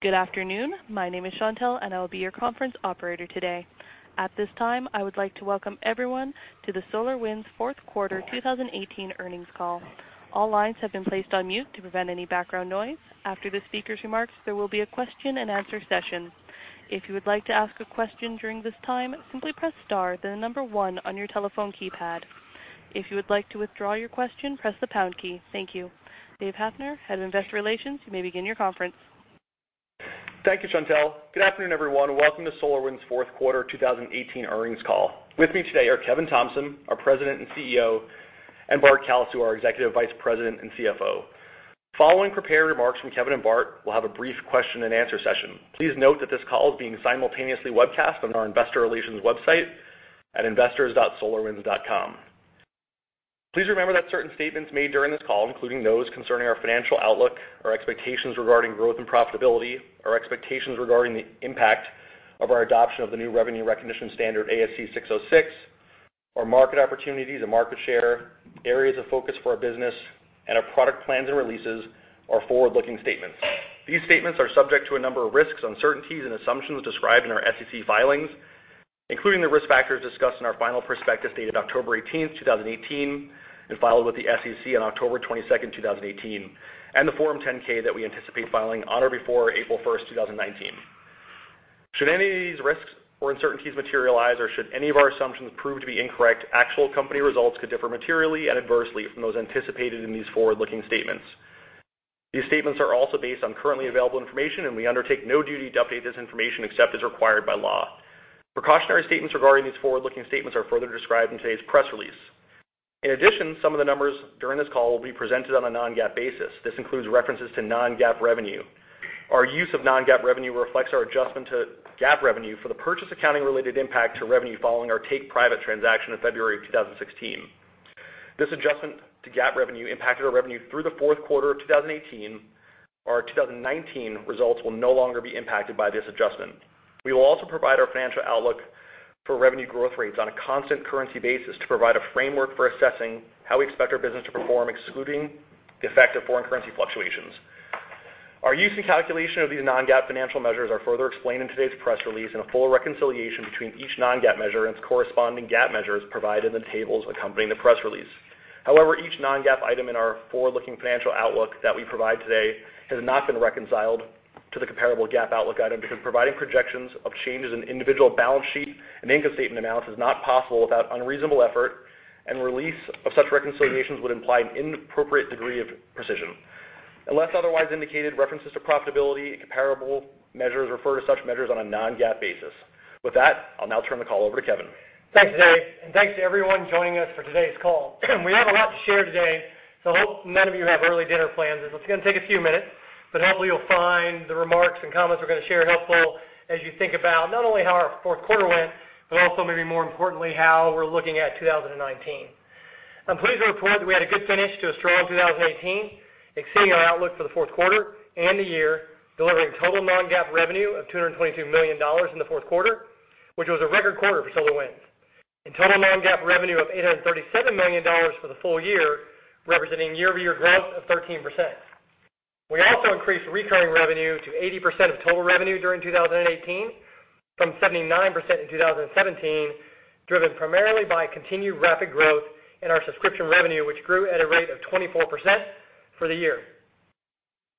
Good afternoon. My name is Chantelle, and I will be your conference operator today. At this time, I would like to welcome everyone to the SolarWinds fourth quarter 2018 earnings call. All lines have been placed on mute to prevent any background noise. After the speaker's remarks, there will be a question-and-answer session. If you would like to ask a question during this time, simply press star then the number one on your telephone keypad. If you would like to withdraw your question, press the pound key. Thank you. Dave Hafner, Head of Investor Relations, you may begin your conference. Thank you, Chantelle. Good afternoon, everyone. Welcome to SolarWinds' fourth quarter 2018 earnings call. With me today are Kevin Thompson, our President and CEO, and Bart Kalsu, our Executive Vice President and CFO. Following prepared remarks from Kevin and Bart, we'll have a brief question and answer session. Please note that this call is being simultaneously webcast on our investor relations website at investors.solarwinds.com. Please remember that certain statements made during this call, including those concerning our financial outlook, our expectations regarding growth and profitability, our expectations regarding the impact of our adoption of the new revenue recognition standard, ASC 606, our market opportunities and market share, areas of focus for our business, and our product plans and releases are forward-looking statements. These statements are subject to a number of risks, uncertainties, and assumptions described in our SEC filings, including the risk factors discussed in our final prospectus, dated October 18th, 2018, and filed with the SEC on October 22nd, 2018, and the Form 10-K that we anticipate filing on or before April 1st, 2019. Should any of these risks or uncertainties materialize, or should any of our assumptions prove to be incorrect, actual company results could differ materially and adversely from those anticipated in these forward-looking statements. These statements are also based on currently available information, and we undertake no duty to update this information except as required by law. Precautionary statements regarding these forward-looking statements are further described in today's press release. In addition, some of the numbers during this call will be presented on a non-GAAP basis. This includes references to non-GAAP revenue. Our use of non-GAAP revenue reflects our adjustment to GAAP revenue for the purchase accounting-related impact to revenue following our take-private transaction in February 2016. This adjustment to GAAP revenue impacted our revenue through the fourth quarter of 2018. Our 2019 results will no longer be impacted by this adjustment. We will also provide our financial outlook for revenue growth rates on a constant currency basis to provide a framework for assessing how we expect our business to perform, excluding the effect of foreign currency fluctuations. Our use and calculation of these non-GAAP financial measures are further explained in today's press release, and a full reconciliation between each non-GAAP measure and its corresponding GAAP measure is provided in the tables accompanying the press release. Each non-GAAP item in our forward-looking financial outlook that we provide today has not been reconciled to the comparable GAAP outlook item, because providing projections of changes in individual balance sheet and income statement amounts is not possible without unreasonable effort, and release of such reconciliations would imply an inappropriate degree of precision. Unless otherwise indicated, references to profitability and comparable measures refer to such measures on a non-GAAP basis. With that, I'll now turn the call over to Kevin. Thanks, Dave, and thanks to everyone joining us for today's call. We have a lot to share today, hope none of you have early dinner plans. This is going to take a few minutes, hopefully you'll find the remarks and comments we're going to share helpful as you think about not only how our fourth quarter went, also maybe more importantly, how we're looking at 2019. I'm pleased to report that we had a good finish to a strong 2018, exceeding our outlook for the fourth quarter and the year, delivering total non-GAAP revenue of $222 million in the fourth quarter, which was a record quarter for SolarWinds. In total non-GAAP revenue of $837 million for the full-year, representing year-over-year growth of 13%. We also increased recurring revenue to 80% of total revenue during 2018 from 79% in 2017, driven primarily by continued rapid growth in our subscription revenue, which grew at a rate of 24% for the year.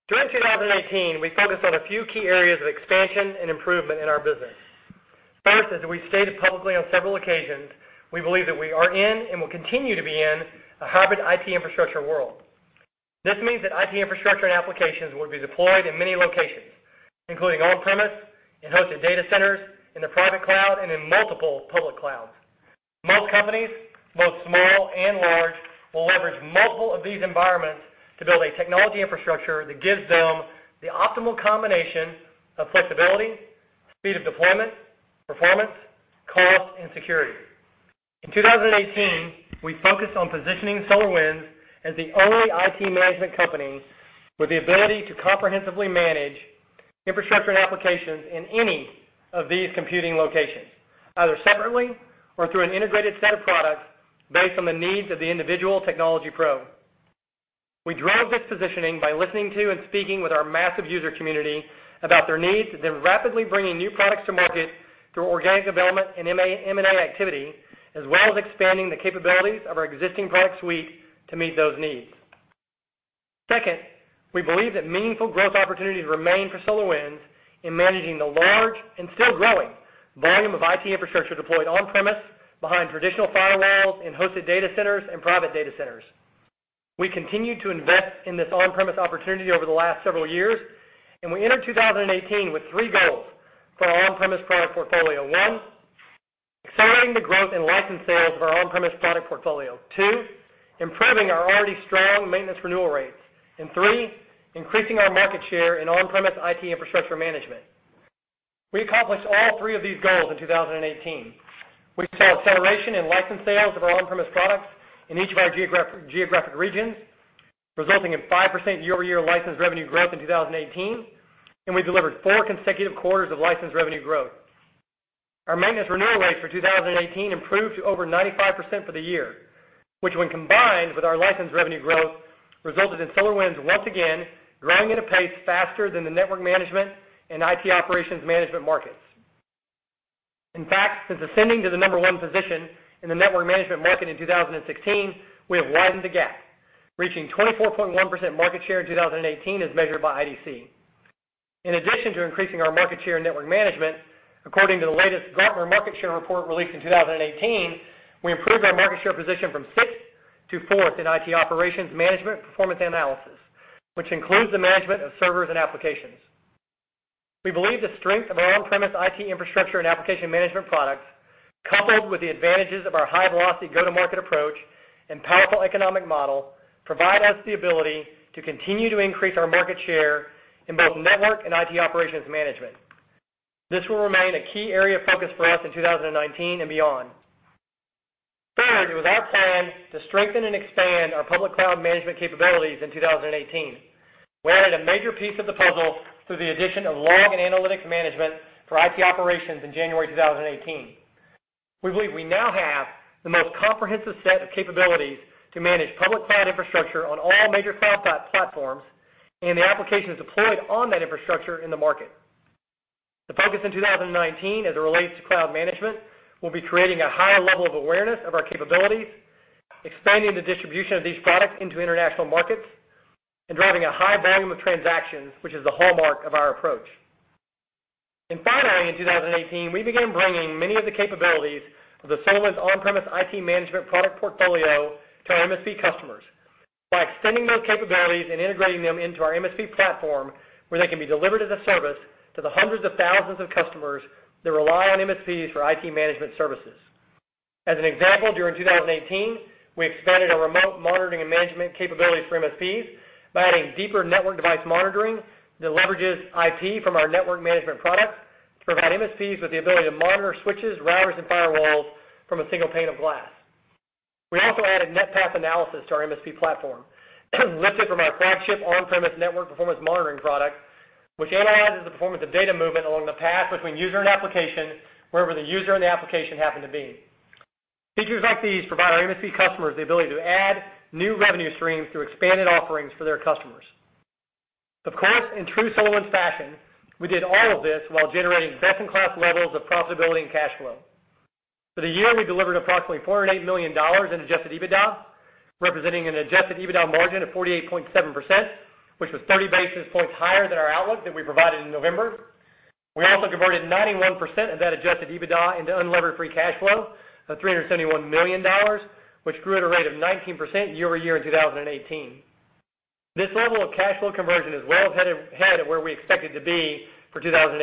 During 2019, we focused on a few key areas of expansion and improvement in our business. First, as we've stated publicly on several occasions, we believe that we are in and will continue to be in a hybrid IT infrastructure world. This means that IT infrastructure and applications will be deployed in many locations, including on-premise, in hosted data centers, in the private cloud, and in multiple public clouds. Most companies, both small and large, will leverage multiple of these environments to build a technology infrastructure that gives them the optimal combination of flexibility, speed of deployment, performance, cost, and security. In 2018, we focused on positioning SolarWinds as the only IT management company with the ability to comprehensively manage infrastructure and applications in any of these computing locations, either separately or through an integrated set of products based on the needs of the individual technology pro. We drove this positioning by listening to and speaking with our massive user community about their needs, then rapidly bringing new products to market through organic development and M&A activity, as well as expanding the capabilities of our existing product suite to meet those needs. Second, we believe that meaningful growth opportunities remain for SolarWinds in managing the large and still growing volume of IT infrastructure deployed on-premise, behind traditional firewalls, in hosted data centers, and private data centers. We continued to invest in this on-premise opportunity over the last several years, and we entered 2018 with three goals for our on-premise product portfolio. One, accelerating the growth in license sales of our on-premise product portfolio. Two, improving our already strong maintenance renewal rates. Three, increasing our market share in on-premise IT infrastructure management. We accomplished all three of these goals in 2018. We saw acceleration in license sales of our on-premise products in each of our geographic regions, resulting in 5% year-over-year license revenue growth in 2018, and we delivered four consecutive quarters of license revenue growth. Our maintenance renewal rates for 2018 improved to over 95% for the year, which when combined with our license revenue growth, resulted in SolarWinds once again growing at a pace faster than the network management and IT operations management markets. In fact, since ascending to the number one position in the network management market in 2016, we have widened the gap, reaching 24.1% market share in 2018 as measured by IDC. In addition to increasing our market share in network management, according to the latest Gartner market share report released in 2018, we improved our market share position from sixth to fourth in IT operations management performance analysis, which includes the management of servers and applications. We believe the strength of our on-premise IT infrastructure and application management products, coupled with the advantages of our high-velocity go-to-market approach and powerful economic model, provide us the ability to continue to increase our market share in both network and IT operations management. This will remain a key area of focus for us in 2019 and beyond. Third, it was our plan to strengthen and expand our public cloud management capabilities in 2018. We added a major piece of the puzzle through the addition of log and analytic management for IT operations in January 2018. We believe we now have the most comprehensive set of capabilities to manage public cloud infrastructure on all major cloud platforms and the applications deployed on that infrastructure in the market. The focus in 2019 as it relates to cloud management, will be creating a higher level of awareness of our capabilities, expanding the distribution of these products into international markets, and driving a high volume of transactions, which is the hallmark of our approach. Finally, in 2018, we began bringing many of the capabilities of the SolarWinds on-premise IT management product portfolio to our MSP customers by extending those capabilities and integrating them into our MSP platform where they can be delivered as a service to the hundreds of thousands of customers that rely on MSPs for IT management services. As an example, during 2018, we expanded our remote monitoring and management capabilities for MSPs by adding deeper network device monitoring that leverages IP from our network management products to provide MSPs with the ability to monitor switches, routers, and firewalls from a single pane of glass. We also added NetPath analysis to our MSP platform, lifted from our flagship on-premise network performance monitoring product, which analyzes the performance of data movement along the path between user and application, wherever the user and the application happen to be. Features like these provide our MSP customers the ability to add new revenue streams through expanded offerings for their customers. Of course, in true SolarWinds fashion, we did all of this while generating best-in-class levels of profitability and cash flow. For the year, we delivered approximately $408 million in adjusted EBITDA, representing an adjusted EBITDA margin of 48.7%, which was 30 basis points higher than our outlook that we provided in November. We also converted 91% of that adjusted EBITDA into unlevered free cash flow of $371 million, which grew at a rate of 19% year over year in 2018. This level of cash flow conversion is well ahead of where we expected to be for 2018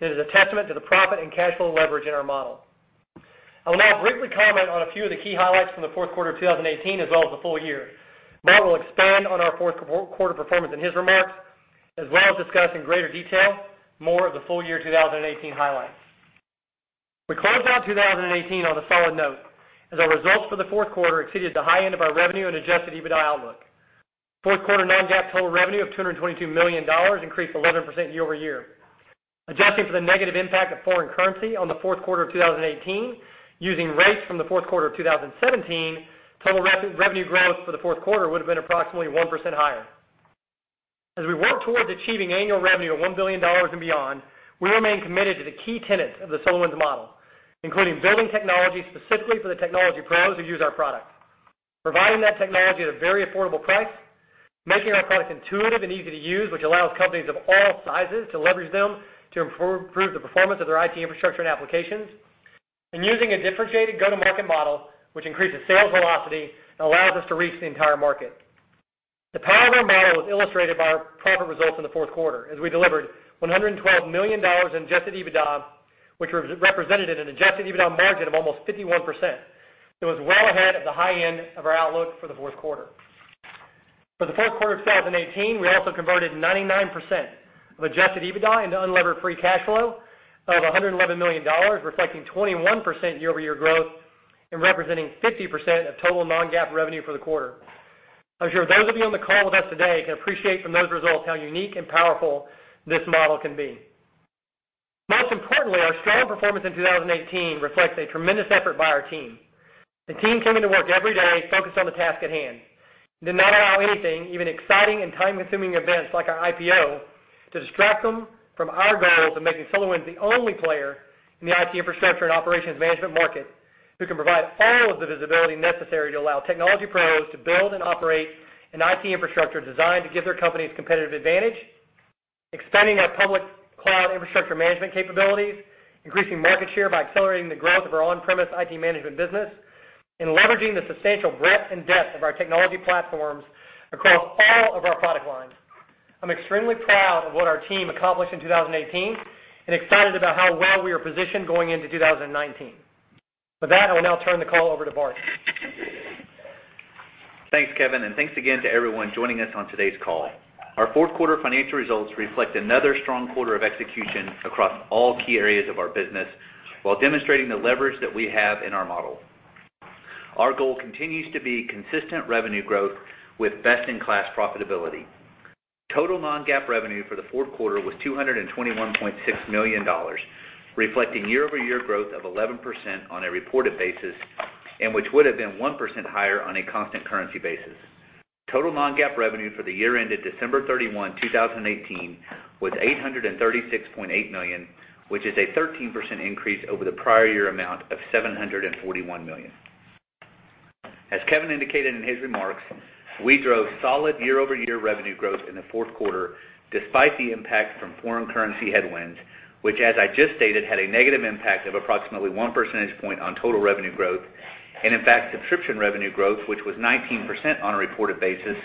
and is a testament to the profit and cash flow leverage in our model. I will now briefly comment on a few of the key highlights from the fourth quarter of 2018 as well as the full-year. Bart will expand on our fourth quarter performance in his remarks, as well as discuss in greater detail more of the full-year 2018 highlights. We closed out 2018 on a solid note, as our results for the fourth quarter exceeded the high end of our revenue and adjusted EBITDA outlook. Fourth quarter non-GAAP total revenue of $222 million increased 11% year over year. Adjusting for the negative impact of foreign currency on the fourth quarter of 2018, using rates from the fourth quarter of 2017, total revenue growth for the fourth quarter would've been approximately 1% higher. As we work towards achieving annual revenue of $1 billion and beyond, we remain committed to the key tenets of the SolarWinds model, including building technology specifically for the technology pros who use our products. Providing that technology at a very affordable price. Making our products intuitive and easy to use, which allows companies of all sizes to leverage them to improve the performance of their IT infrastructure and applications. Using a differentiated go-to-market model, which increases sales velocity and allows us to reach the entire market. The power of our model was illustrated by our profit results in the fourth quarter, as we delivered $112 million in adjusted EBITDA, which represented an adjusted EBITDA margin of almost 51%. It was well ahead of the high end of our outlook for the fourth quarter. For the fourth quarter of 2018, we also converted 99% of adjusted EBITDA into unlevered free cash flow of $111 million, reflecting 21% year over year growth and representing 50% of total non-GAAP revenue for the quarter. I'm sure those of you on the call with us today can appreciate from those results how unique and powerful this model can be. Most importantly, our strong performance in 2018 reflects a tremendous effort by our team. The team came into work every day focused on the task at hand, did not allow anything, even exciting and time-consuming events like our IPO, to distract them from our goals of making SolarWinds the only player in the IT infrastructure and operations management market who can provide all of the visibility necessary to allow technology pros to build and operate an IT infrastructure designed to give their companies competitive advantage. Expanding our public cloud infrastructure management capabilities. Increasing market share by accelerating the growth of our on-premise IT management business. Leveraging the substantial breadth and depth of our technology platforms across all of our product lines. I'm extremely proud of what our team accomplished in 2018 and excited about how well we are positioned going into 2019. With that, I will now turn the call over to Bart. Thanks, Kevin, and thanks again to everyone joining us on today's call. Our fourth quarter financial results reflect another strong quarter of execution across all key areas of our business, while demonstrating the leverage that we have in our model. Our goal continues to be consistent revenue growth with best-in-class profitability. Total non-GAAP revenue for the fourth quarter was $221.6 million, reflecting year-over-year growth of 11% on a reported basis, which would have been 1% higher on a constant currency basis. Total non-GAAP revenue for the year ended December 31, 2018, was $836.8 million, which is a 13% increase over the prior year amount of $741 million. As Kevin indicated in his remarks, we drove solid year-over-year revenue growth in the fourth quarter despite the impact from foreign currency headwinds, which as I just stated, had a negative impact of approximately one percentage point on total revenue growth. In fact, subscription revenue growth, which was 19% on a reported basis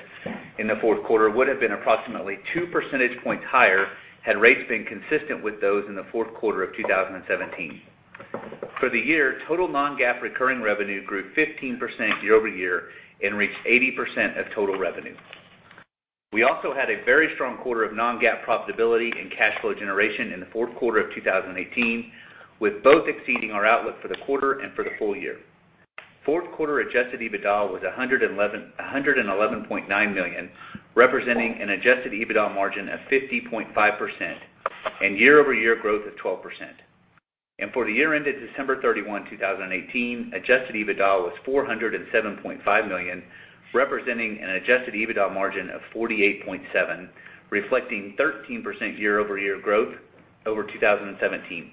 in the fourth quarter, would have been approximately two percentage points higher had rates been consistent with those in the fourth quarter of 2017. For the year, total non-GAAP recurring revenue grew 15% year-over-year and reached 80% of total revenue. We also had a very strong quarter of non-GAAP profitability and cash flow generation in the fourth quarter of 2018, with both exceeding our outlook for the quarter and for the full-year. Fourth quarter adjusted EBITDA was $111.9 million, representing an adjusted EBITDA margin of 50.5% and year-over-year growth of 12%. For the year ended December 31, 2018, adjusted EBITDA was $407.5 million, representing an adjusted EBITDA margin of 48.7%, reflecting 13% year-over-year growth over 2017.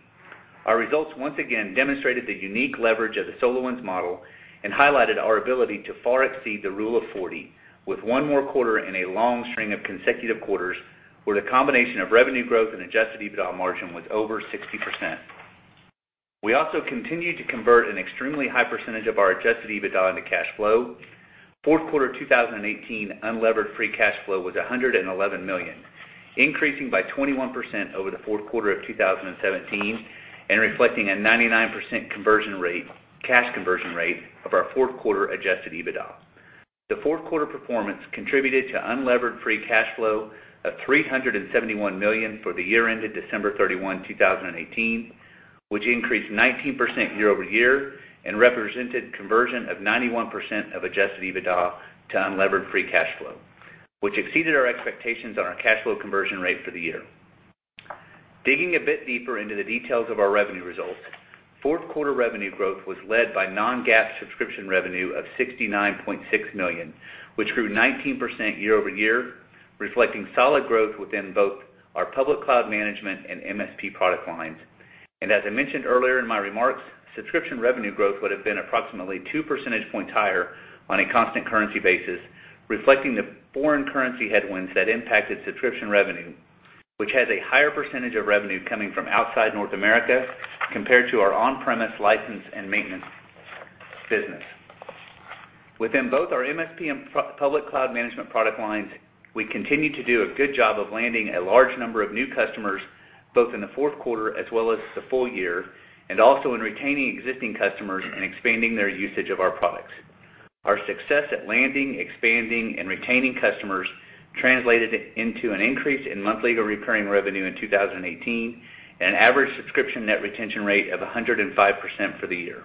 Our results once again demonstrated the unique leverage of the SolarWinds model and highlighted our ability to far exceed the Rule of 40, with one more quarter in a long string of consecutive quarters where the combination of revenue growth and adjusted EBITDA margin was over 60%. We also continued to convert an extremely high percentage of our adjusted EBITDA into cash flow. Fourth quarter 2018 unlevered free cash flow was $111 million, increasing by 21% over the fourth quarter of 2017 and reflecting a 99% conversion rate, cash conversion rate of our fourth quarter adjusted EBITDA. The fourth quarter performance contributed to unlevered free cash flow of $371 million for the year ended December 31, 2018, which increased 19% year-over-year and represented conversion of 91% of adjusted EBITDA to unlevered free cash flow, which exceeded our expectations on our cash flow conversion rate for the year. Digging a bit deeper into the details of our revenue results, fourth quarter revenue growth was led by non-GAAP subscription revenue of $69.6 million, which grew 19% year-over-year, reflecting solid growth within both our public cloud management and MSP product lines. As I mentioned earlier in my remarks, subscription revenue growth would have been approximately two percentage points higher on a constant currency basis, reflecting the foreign currency headwinds that impacted subscription revenue, which has a higher percentage of revenue coming from outside North America compared to our on-premise license and maintenance business. Within both our MSP and public cloud management product lines, we continue to do a good job of landing a large number of new customers, both in the fourth quarter as well as the full-year, and also in retaining existing customers and expanding their usage of our products. Our success at landing, expanding, and retaining customers translated into an increase in monthly recurring revenue in 2018 and an average subscription net retention rate of 105% for the year.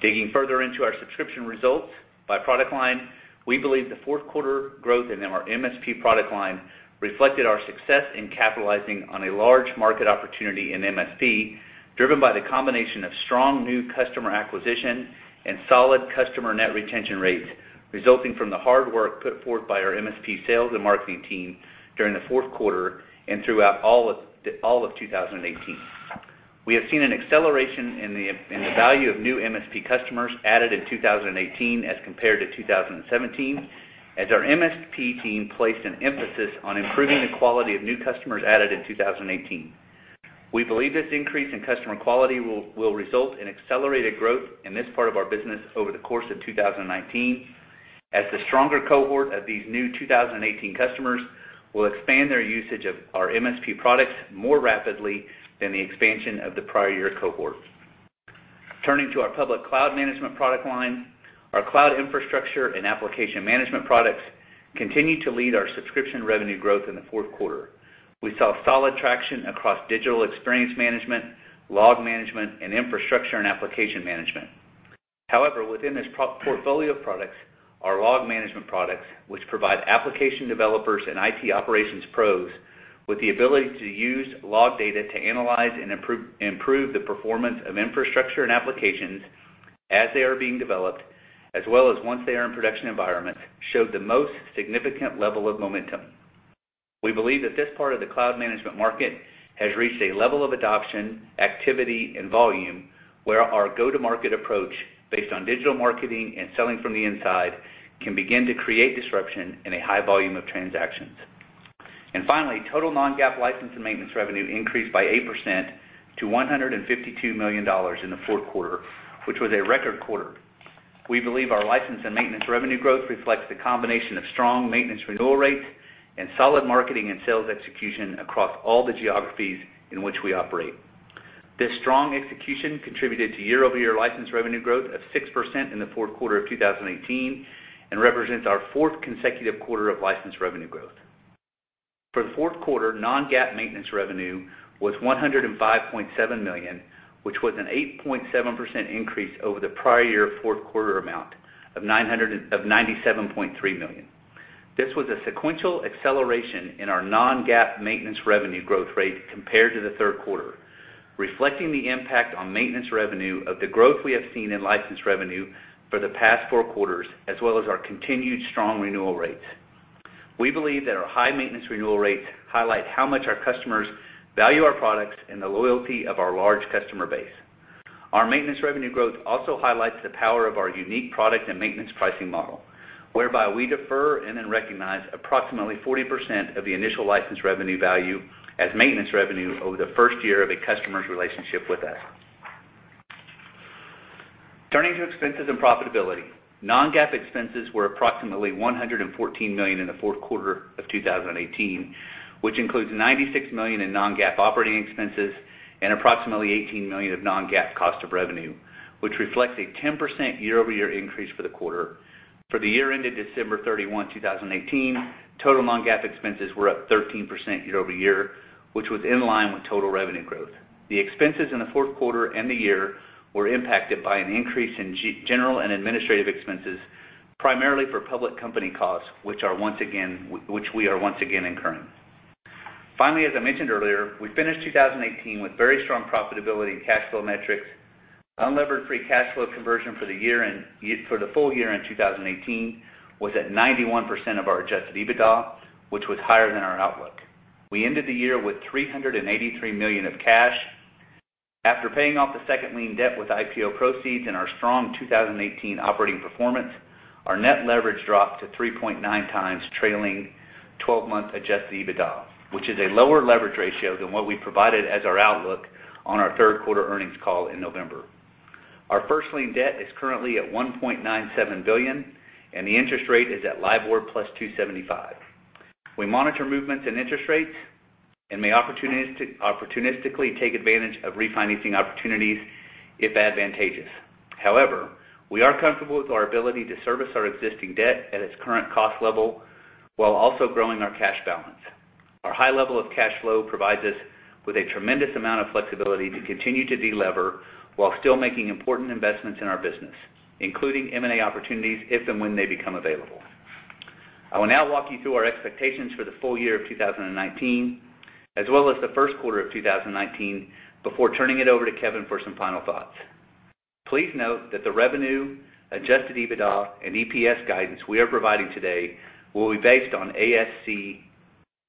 Digging further into our subscription results by product line, we believe the fourth quarter growth in our MSP product line reflected our success in capitalizing on a large market opportunity in MSP, driven by the combination of strong new customer acquisition and solid customer net retention rates resulting from the hard work put forth by our MSP sales and marketing team during the fourth quarter and throughout all of 2018. We have seen an acceleration in the value of new MSP customers added in 2018 as compared to 2017, as our MSP team placed an emphasis on improving the quality of new customers added in 2018. We believe this increase in customer quality will result in accelerated growth in this part of our business over the course of 2019, as the stronger cohort of these new 2018 customers will expand their usage of our MSP products more rapidly than the expansion of the prior year cohort. Turning to our public cloud management product line, our cloud infrastructure and application management products continue to lead our subscription revenue growth in the fourth quarter. We saw solid traction across digital experience management, log management, and infrastructure and application management. However, within this portfolio of products, our log management products, which provide application developers and IT operations pros with the ability to use log data to analyze and improve the performance of infrastructure and applications as they are being developed, as well as once they are in production environments, showed the most significant level of momentum. We believe that this part of the cloud management market has reached a level of adoption, activity, and volume where our go-to-market approach based on digital marketing and selling from the inside can begin to create disruption in a high volume of transactions. Finally, total non-GAAP license and maintenance revenue increased by 8% to $152 million in the fourth quarter, which was a record quarter. We believe our license and maintenance revenue growth reflects the combination of strong maintenance renewal rates and solid marketing and sales execution across all the geographies in which we operate. This strong execution contributed to year-over-year license revenue growth of 6% in the fourth quarter of 2018 and represents our fourth consecutive quarter of license revenue growth. For the fourth quarter, non-GAAP maintenance revenue was $105.7 million, which was an 8.7% increase over the prior year fourth quarter amount of $97.3 million. This was a sequential acceleration in our non-GAAP maintenance revenue growth rate compared to the third quarter, reflecting the impact on maintenance revenue of the growth we have seen in license revenue for the past four quarters, as well as our continued strong renewal rates. We believe that our high maintenance renewal rates highlight how much our customers value our products, and the loyalty of our large customer base. Our maintenance revenue growth also highlights the power of our unique product and maintenance pricing model, whereby we defer and then recognize approximately 40% of the initial license revenue value as maintenance revenue over the first year of a customer's relationship with us. Turning to expenses and profitability. Non-GAAP expenses were approximately $114 million in the fourth quarter of 2018, which includes $96 million in non-GAAP operating expenses and approximately $18 million of non-GAAP cost of revenue, which reflects a 10% year-over-year increase for the quarter. For the year ended December 31, 2018, total non-GAAP expenses were up 13% year-over-year, which was in line with total revenue growth. The expenses in the fourth quarter and the year were impacted by an increase in general and administrative expenses, primarily for public company costs which we are once again incurring. Finally, as I mentioned earlier, we finished 2018 with very strong profitability and cash flow metrics. Unlevered free cash flow conversion for the full-year in 2018 was at 91% of our adjusted EBITDA, which was higher than our outlook. We ended the year with $383 million of cash. After paying off the second lien debt with IPO proceeds and our strong 2018 operating performance, our net leverage dropped to 3.9x trailing 12-month adjusted EBITDA, which is a lower leverage ratio than what we provided as our outlook on our third quarter earnings call in November. Our first lien debt is currently at $1.97 billion, and the interest rate is at LIBOR plus 275. We monitor movements in interest rates and may opportunistically take advantage of refinancing opportunities if advantageous. However, we are comfortable with our ability to service our existing debt at its current cost level while also growing our cash balance. Our high level of cash flow provides us with a tremendous amount of flexibility to continue to de-lever while still making important investments in our business, including M&A opportunities if and when they become available. I will now walk you through our expectations for the full-year of 2019, as well as the first quarter of 2019, before turning it over to Kevin for some final thoughts. Please note that the revenue, adjusted EBITDA, and EPS guidance we are providing today will be based on ASC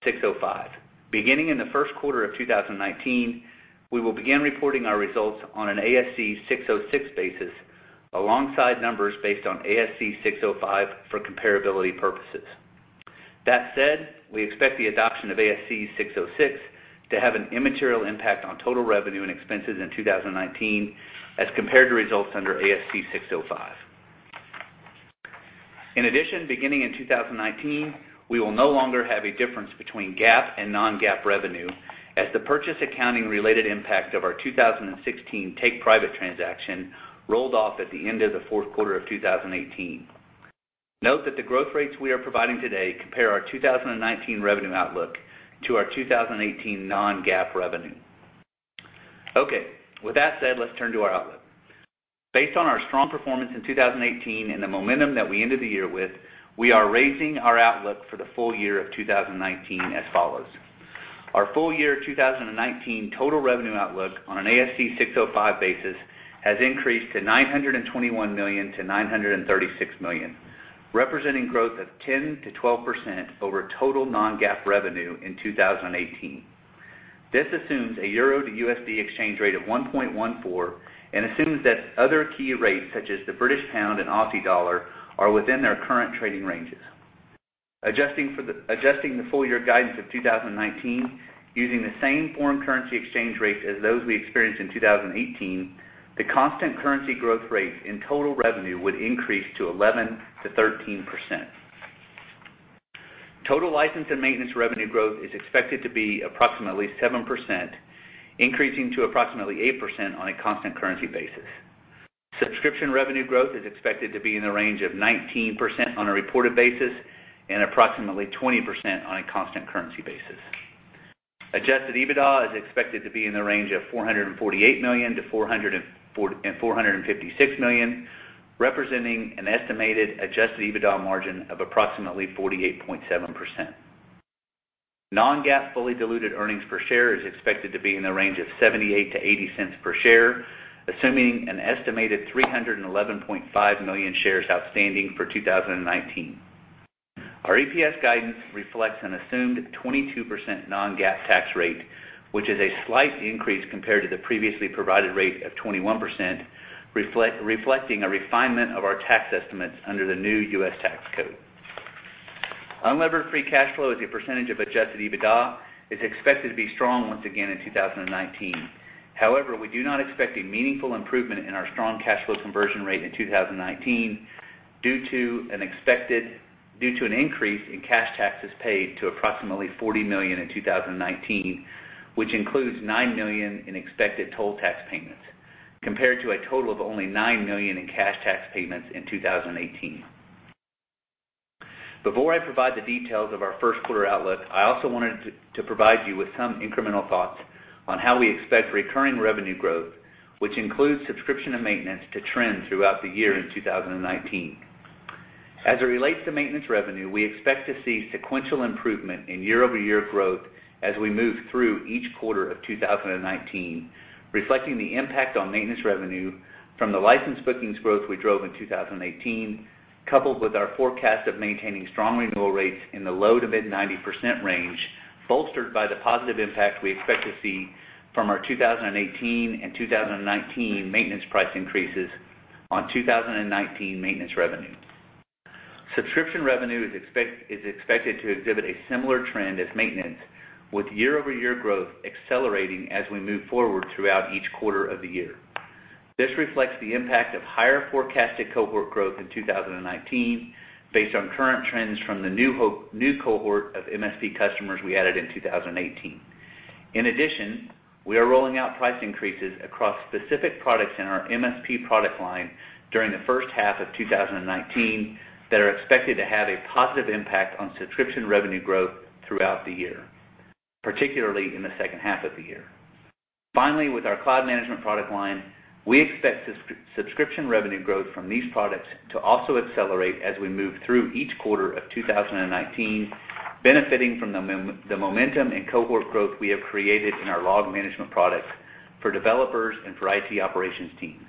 605. Beginning in the first quarter of 2019, we will begin reporting our results on an ASC 606 basis, alongside numbers based on ASC 605 for comparability purposes. That said, we expect the adoption of ASC 606 to have an immaterial impact on total revenue and expenses in 2019 as compared to results under ASC 605. In addition, beginning in 2019, we will no longer have a difference between GAAP and non-GAAP revenue, as the purchase accounting related impact of our 2016 take private transaction rolled off at the end of the fourth quarter of 2018. Note that the growth rates we are providing today compare our 2019 revenue outlook to our 2018 non-GAAP revenue. Okay. With that said, let's turn to our outlook. Based on our strong performance in 2018 and the momentum that we ended the year with, we are raising our outlook for the full-year of 2019 as follows. Our full-year 2019 total revenue outlook on an ASC 605 basis has increased to $921 million-$936 million, representing growth of 10%-12% over total non-GAAP revenue in 2018. This assumes a EUR to USD exchange rate of 1.14 and assumes that other key rates, such as the GBP and AUD, are within their current trading ranges. Adjusting the full-year guidance of 2019 using the same foreign currency exchange rates as those we experienced in 2018, the constant currency growth rate in total revenue would increase to 11%-13%. Total license and maintenance revenue growth is expected to be approximately 7%, increasing to approximately 8% on a constant currency basis. Subscription revenue growth is expected to be in the range of 19% on a reported basis and approximately 20% on a constant currency basis. Adjusted EBITDA is expected to be in the range of $448 million-$456 million, representing an estimated Adjusted EBITDA margin of approximately 48.7%. non-GAAP fully diluted earnings per share is expected to be in the range of $0.78-$0.80 per share, assuming an estimated 311.5 million shares outstanding for 2019. Our EPS guidance reflects an assumed 22% non-GAAP tax rate, which is a slight increase compared to the previously provided rate of 21%, reflecting a refinement of our tax estimates under the new U.S. tax code. Unlevered free cash flow as a percentage of Adjusted EBITDA is expected to be strong once again in 2019. However, we do not expect a meaningful improvement in our strong cash flow conversion rate in 2019 due to an increase in cash taxes paid to approximately $40 million in 2019, which includes $9 million in expected total tax payments. Compared to a total of only $9 million in cash tax payments in 2018. Before I provide the details of our first quarter outlook, I also wanted to provide you with some incremental thoughts on how we expect recurring revenue growth, which includes subscription and maintenance, to trend throughout the year in 2019. As it relates to maintenance revenue, we expect to see sequential improvement in year-over-year growth as we move through each quarter of 2019, reflecting the impact on maintenance revenue from the license bookings growth we drove in 2018, coupled with our forecast of maintaining strong renewal rates in the low to mid 90% range, bolstered by the positive impact we expect to see from our 2018 and 2019 maintenance price increases on 2019 maintenance revenue. Subscription revenue is expected to exhibit a similar trend as maintenance, with year-over-year growth accelerating as we move forward throughout each quarter of the year. This reflects the impact of higher forecasted cohort growth in 2019, based on current trends from the new cohort of MSP customers we added in 2018. In addition, we are rolling out price increases across specific products in our MSP product line during the first half of 2019 that are expected to have a positive impact on subscription revenue growth throughout the year, particularly in the second half of the year. Finally, with our cloud management product line, we expect subscription revenue growth from these products to also accelerate as we move through each quarter of 2019, benefiting from the momentum and cohort growth we have created in our log management products for developers and for IT operations teams.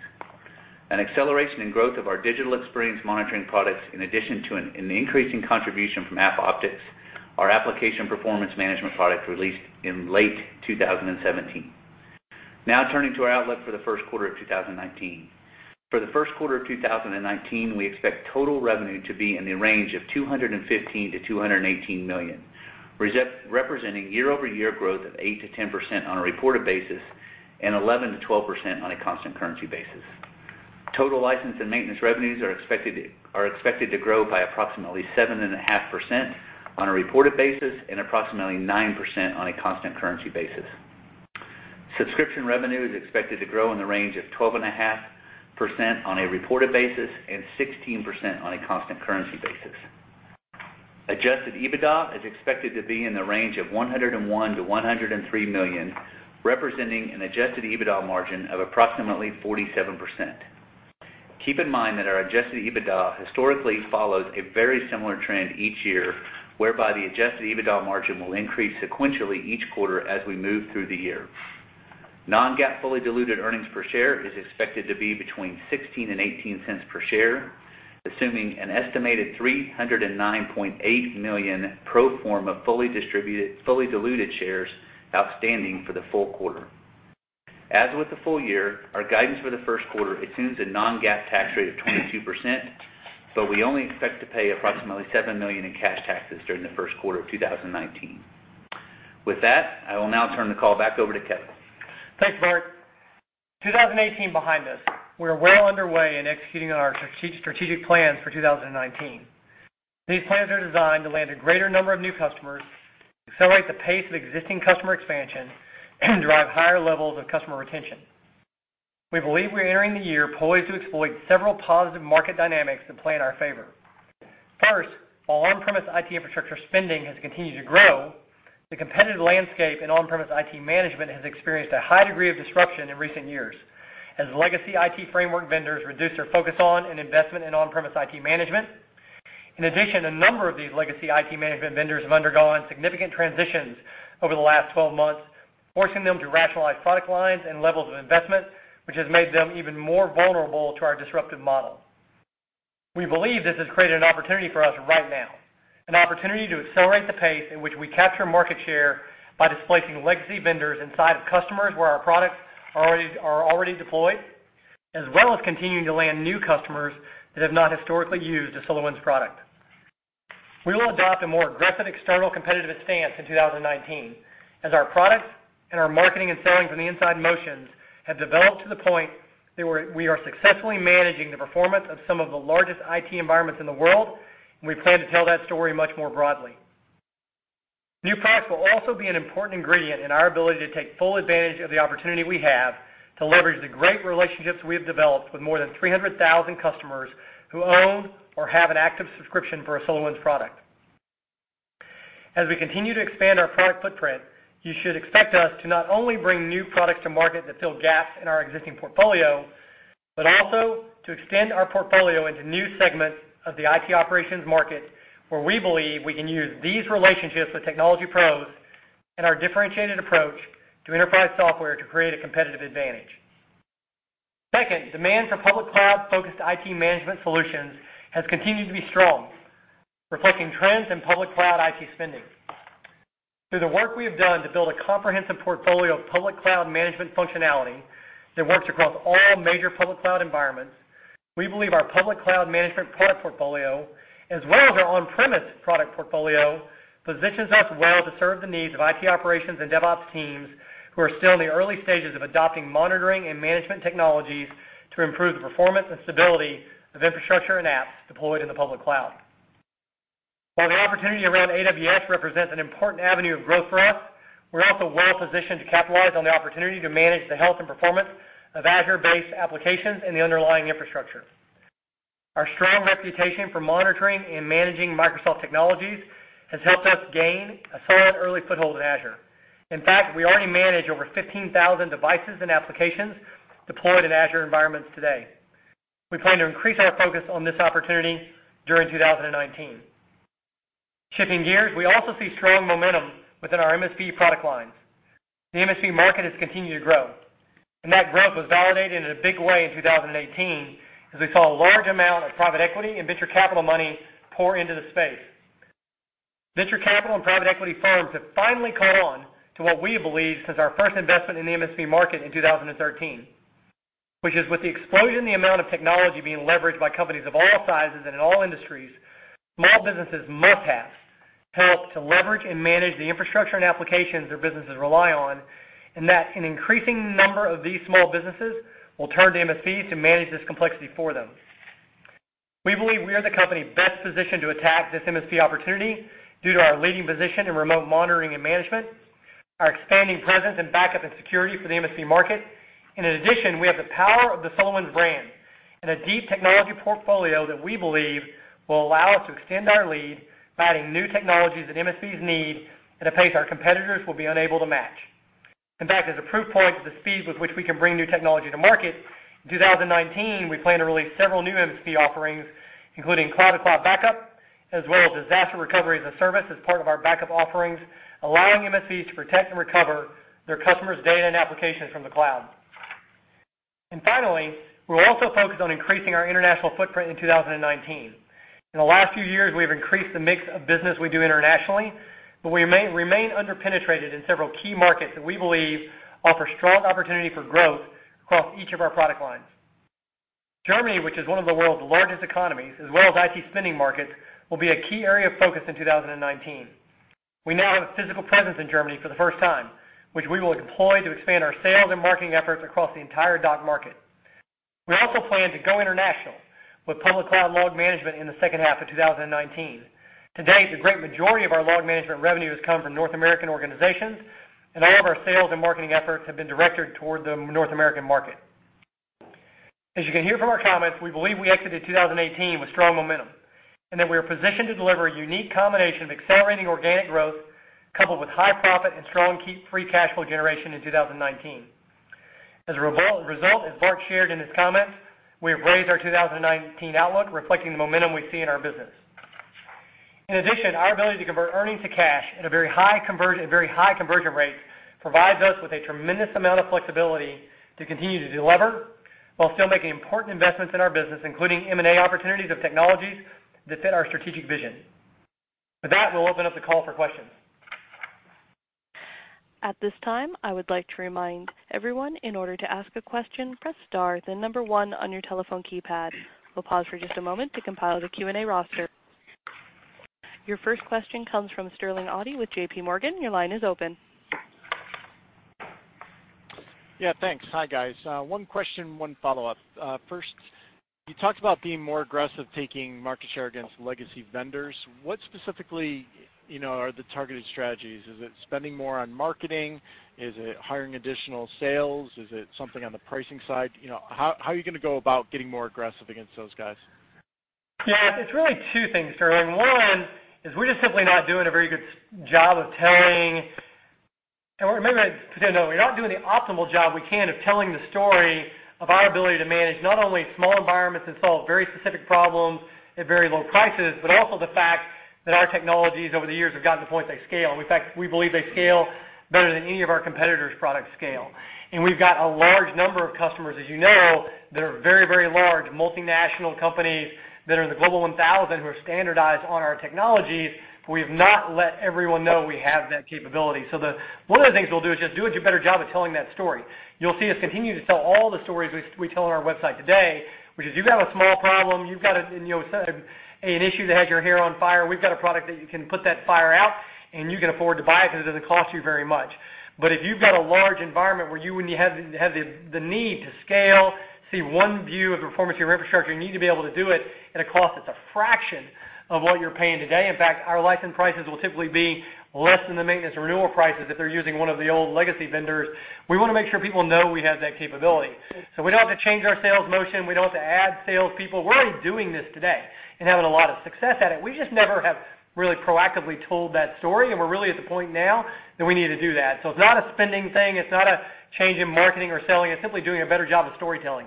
An acceleration in growth of our digital experience monitoring products, in addition to an increasing contribution from AppOptics, our application performance management product released in late 2017. Turning to our outlook for the first quarter of 2019. For the first quarter of 2019, we expect total revenue to be in the range of $215 million-$218 million, representing year-over-year growth of 8%-10% on a reported basis and 11%-12% on a constant currency basis. Total license and maintenance revenues are expected to grow by approximately 7.5% on a reported basis and approximately 9% on a constant currency basis. Subscription revenue is expected to grow in the range of 12.5% on a reported basis and 16% on a constant currency basis. Adjusted EBITDA is expected to be in the range of $101 million-$103 million, representing an Adjusted EBITDA margin of approximately 47%. Keep in mind that our Adjusted EBITDA historically follows a very similar trend each year, whereby the Adjusted EBITDA margin will increase sequentially each quarter as we move through the year. non-GAAP fully diluted earnings per share is expected to be between $0.16 and $0.18 per share, assuming an estimated 309.8 million pro forma fully distributed, fully diluted shares outstanding for the full quarter. As with the full-year, our guidance for the first quarter assumes a non-GAAP tax rate of 22%. We only expect to pay approximately $7 million in cash taxes during the first quarter of 2019. With that, I will now turn the call back over to Kevin. Thanks, Bart. 2018 behind us. We are well underway in executing on our strategic plans for 2019. These plans are designed to land a greater number of new customers, accelerate the pace of existing customer expansion, and drive higher levels of customer retention. We believe we're entering the year poised to exploit several positive market dynamics that play in our favor. First, while on-premise IT infrastructure spending has continued to grow, the competitive landscape in on-premise IT management has experienced a high degree of disruption in recent years, as legacy IT framework vendors reduce their focus on and investment in on-premise IT management. In addition, a number of these legacy IT management vendors have undergone significant transitions over the last 12 months, forcing them to rationalize product lines and levels of investment, which has made them even more vulnerable to our disruptive model. We believe this has created an opportunity for us right now, an opportunity to accelerate the pace at which we capture market share by displacing legacy vendors inside of customers where our products are already deployed, as well as continuing to land new customers that have not historically used a SolarWinds product. We will adopt a more aggressive external competitive stance in 2019, as our products and our marketing and selling from the inside motions have developed to the point that we are successfully managing the performance of some of the largest IT environments in the world, and we plan to tell that story much more broadly. New products will also be an important ingredient in our ability to take full advantage of the opportunity we have to leverage the great relationships we have developed with more than 300,000 customers who own or have an active subscription for a SolarWinds product. As we continue to expand our product footprint, you should expect us to not only bring new products to market that fill gaps in our existing portfolio, but also to extend our portfolio into new segments of the IT operations market where we believe we can use these relationships with technology pros and our differentiated approach to enterprise software to create a competitive advantage. Second, demand for public cloud-focused IT management solutions has continued to be strong, reflecting trends in public cloud IT spending. Through the work we have done to build a comprehensive portfolio of public cloud management functionality that works across all major public cloud environments, we believe our public cloud management product portfolio, as well as our on-premise product portfolio, positions us well to serve the needs of IT operations and DevOps teams who are still in the early stages of adopting monitoring and management technologies to improve the performance and stability of infrastructure and apps deployed in the public cloud. While the opportunity around AWS represents an important avenue of growth for us, we're also well positioned to capitalize on the opportunity to manage the health and performance of Azure-based applications and the underlying infrastructure. Our strong reputation for monitoring and managing Microsoft technologies has helped us gain a solid early foothold in Azure. In fact, we already manage over 15,000 devices and applications deployed in Azure environments today. We plan to increase our focus on this opportunity during 2019. Shifting gears, we also see strong momentum within our MSP product lines. The MSP market has continued to grow, and that growth was validated in a big way in 2018, as we saw a large amount of private equity and venture capital money pour into the space. Venture capital and private equity firms have finally caught on to what we believed since our first investment in the MSP market in 2013, which is with the explosion in the amount of technology being leveraged by companies of all sizes and in all industries, small businesses must have help to leverage and manage the infrastructure and applications their businesses rely on, and that an increasing number of these small businesses will turn to MSPs to manage this complexity for them. We believe we are the company best positioned to attack this MSP opportunity due to our leading position in remote monitoring and management, our expanding presence in backup and security for the MSP market. In addition, we have the power of the SolarWinds brand and a deep technology portfolio that we believe will allow us to extend our lead by adding new technologies that MSPs need at a pace our competitors will be unable to match. In fact, as a proof point to the speed with which we can bring new technology to market, in 2019, we plan to release several new MSP offerings, including cloud-to-cloud backup, as well as disaster recovery as a service as part of our backup offerings, allowing MSPs to protect and recover their customers' data and applications from the cloud. Finally, we're also focused on increasing our international footprint in 2019. In the last few years, we've increased the mix of business we do internationally, but we remain under-penetrated in several key markets that we believe offer strong opportunity for growth across each of our product lines. Germany, which is one of the world's largest economies, as well as IT spending markets, will be a key area of focus in 2019. We now have a physical presence in Germany for the first time, which we will employ to expand our sales and marketing efforts across the entire DACH market. We also plan to go international with public cloud log management in the second half of 2019. To date, the great majority of our log management revenue has come from North American organizations, and all of our sales and marketing efforts have been directed toward the North American market. As you can hear from our comments, we believe we exited 2018 with strong momentum and that we are positioned to deliver a unique combination of accelerating organic growth coupled with high profit and strong free cash flow generation in 2019. As a result, as Bart shared in his comments, we have raised our 2019 outlook reflecting the momentum we see in our business. In addition, our ability to convert earnings to cash at a very high conversion rate provides us with a tremendous amount of flexibility to continue to delever while still making important investments in our business, including M&A opportunities of technologies that fit our strategic vision. With that, we'll open up the call for questions. At this time, I would like to remind everyone, in order to ask a question, press star, then number 1 on your telephone keypad. We'll pause for just a moment to compile the Q&A roster. Your first question comes from Sterling Auty with JPMorgan. Your line is open. Yeah, thanks. Hi, guys. One question, one follow-up. First, you talked about being more aggressive taking market share against legacy vendors. What specifically are the targeted strategies? Is it spending more on marketing? Is it hiring additional sales? Is it something on the pricing side? How are you going to go about getting more aggressive against those guys? It's really two things, Sterling. One is we're just simply not doing a very good job of telling the optimal job we can of telling the story of our ability to manage not only small environments and solve very specific problems at very low prices, but also the fact that our technologies over the years have gotten to the point they scale. In fact, we believe they scale better than any of our competitors' products scale. We've got a large number of customers, as you know, that are very large multinational companies that are in the Global 1000 who are standardized on our technologies, but we have not let everyone know we have that capability. One of the things we'll do is just do a better job of telling that story. You'll see us continue to tell all the stories we tell on our website today, which is you've got a small problem. An issue that has your hair on fire, we've got a product that you can put that fire out, you can afford to buy it because it doesn't cost you very much. If you've got a large environment where you have the need to scale, see one view of the performance of your infrastructure, you need to be able to do it at a cost that's a fraction of what you're paying today. In fact, our license prices will typically be less than the maintenance renewal prices if they're using one of the old legacy vendors. We want to make sure people know we have that capability. We don't have to change our sales motion. We don't have to add salespeople. We're already doing this today having a lot of success at it. We just never have really proactively told that story, we're really at the point now that we need to do that. It's not a spending thing. It's not a change in marketing or selling. It's simply doing a better job of storytelling.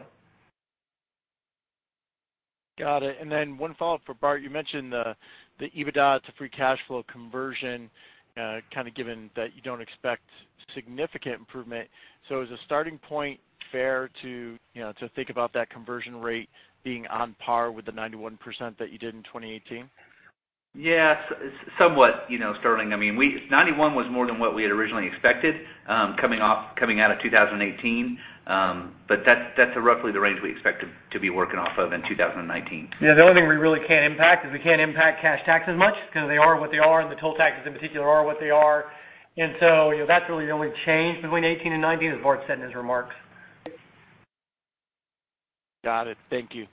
Got it. One follow-up for Bart. You mentioned the EBITDA to free cash flow conversion, kind of given that you don't expect significant improvement. As a starting point, fair to think about that conversion rate being on par with the 91% that you did in 2018? Yeah, somewhat, Sterling. I mean, 91 was more than what we had originally expected coming out of 2018. That's roughly the range we expect to be working off of in 2019. Yeah, the only thing we really can't impact is we can't impact cash tax as much because they are what they are, and the total taxes in particular are what they are. That's really the only change between 2018 and 2019, as Bart said in his remarks. Got it. Thank you.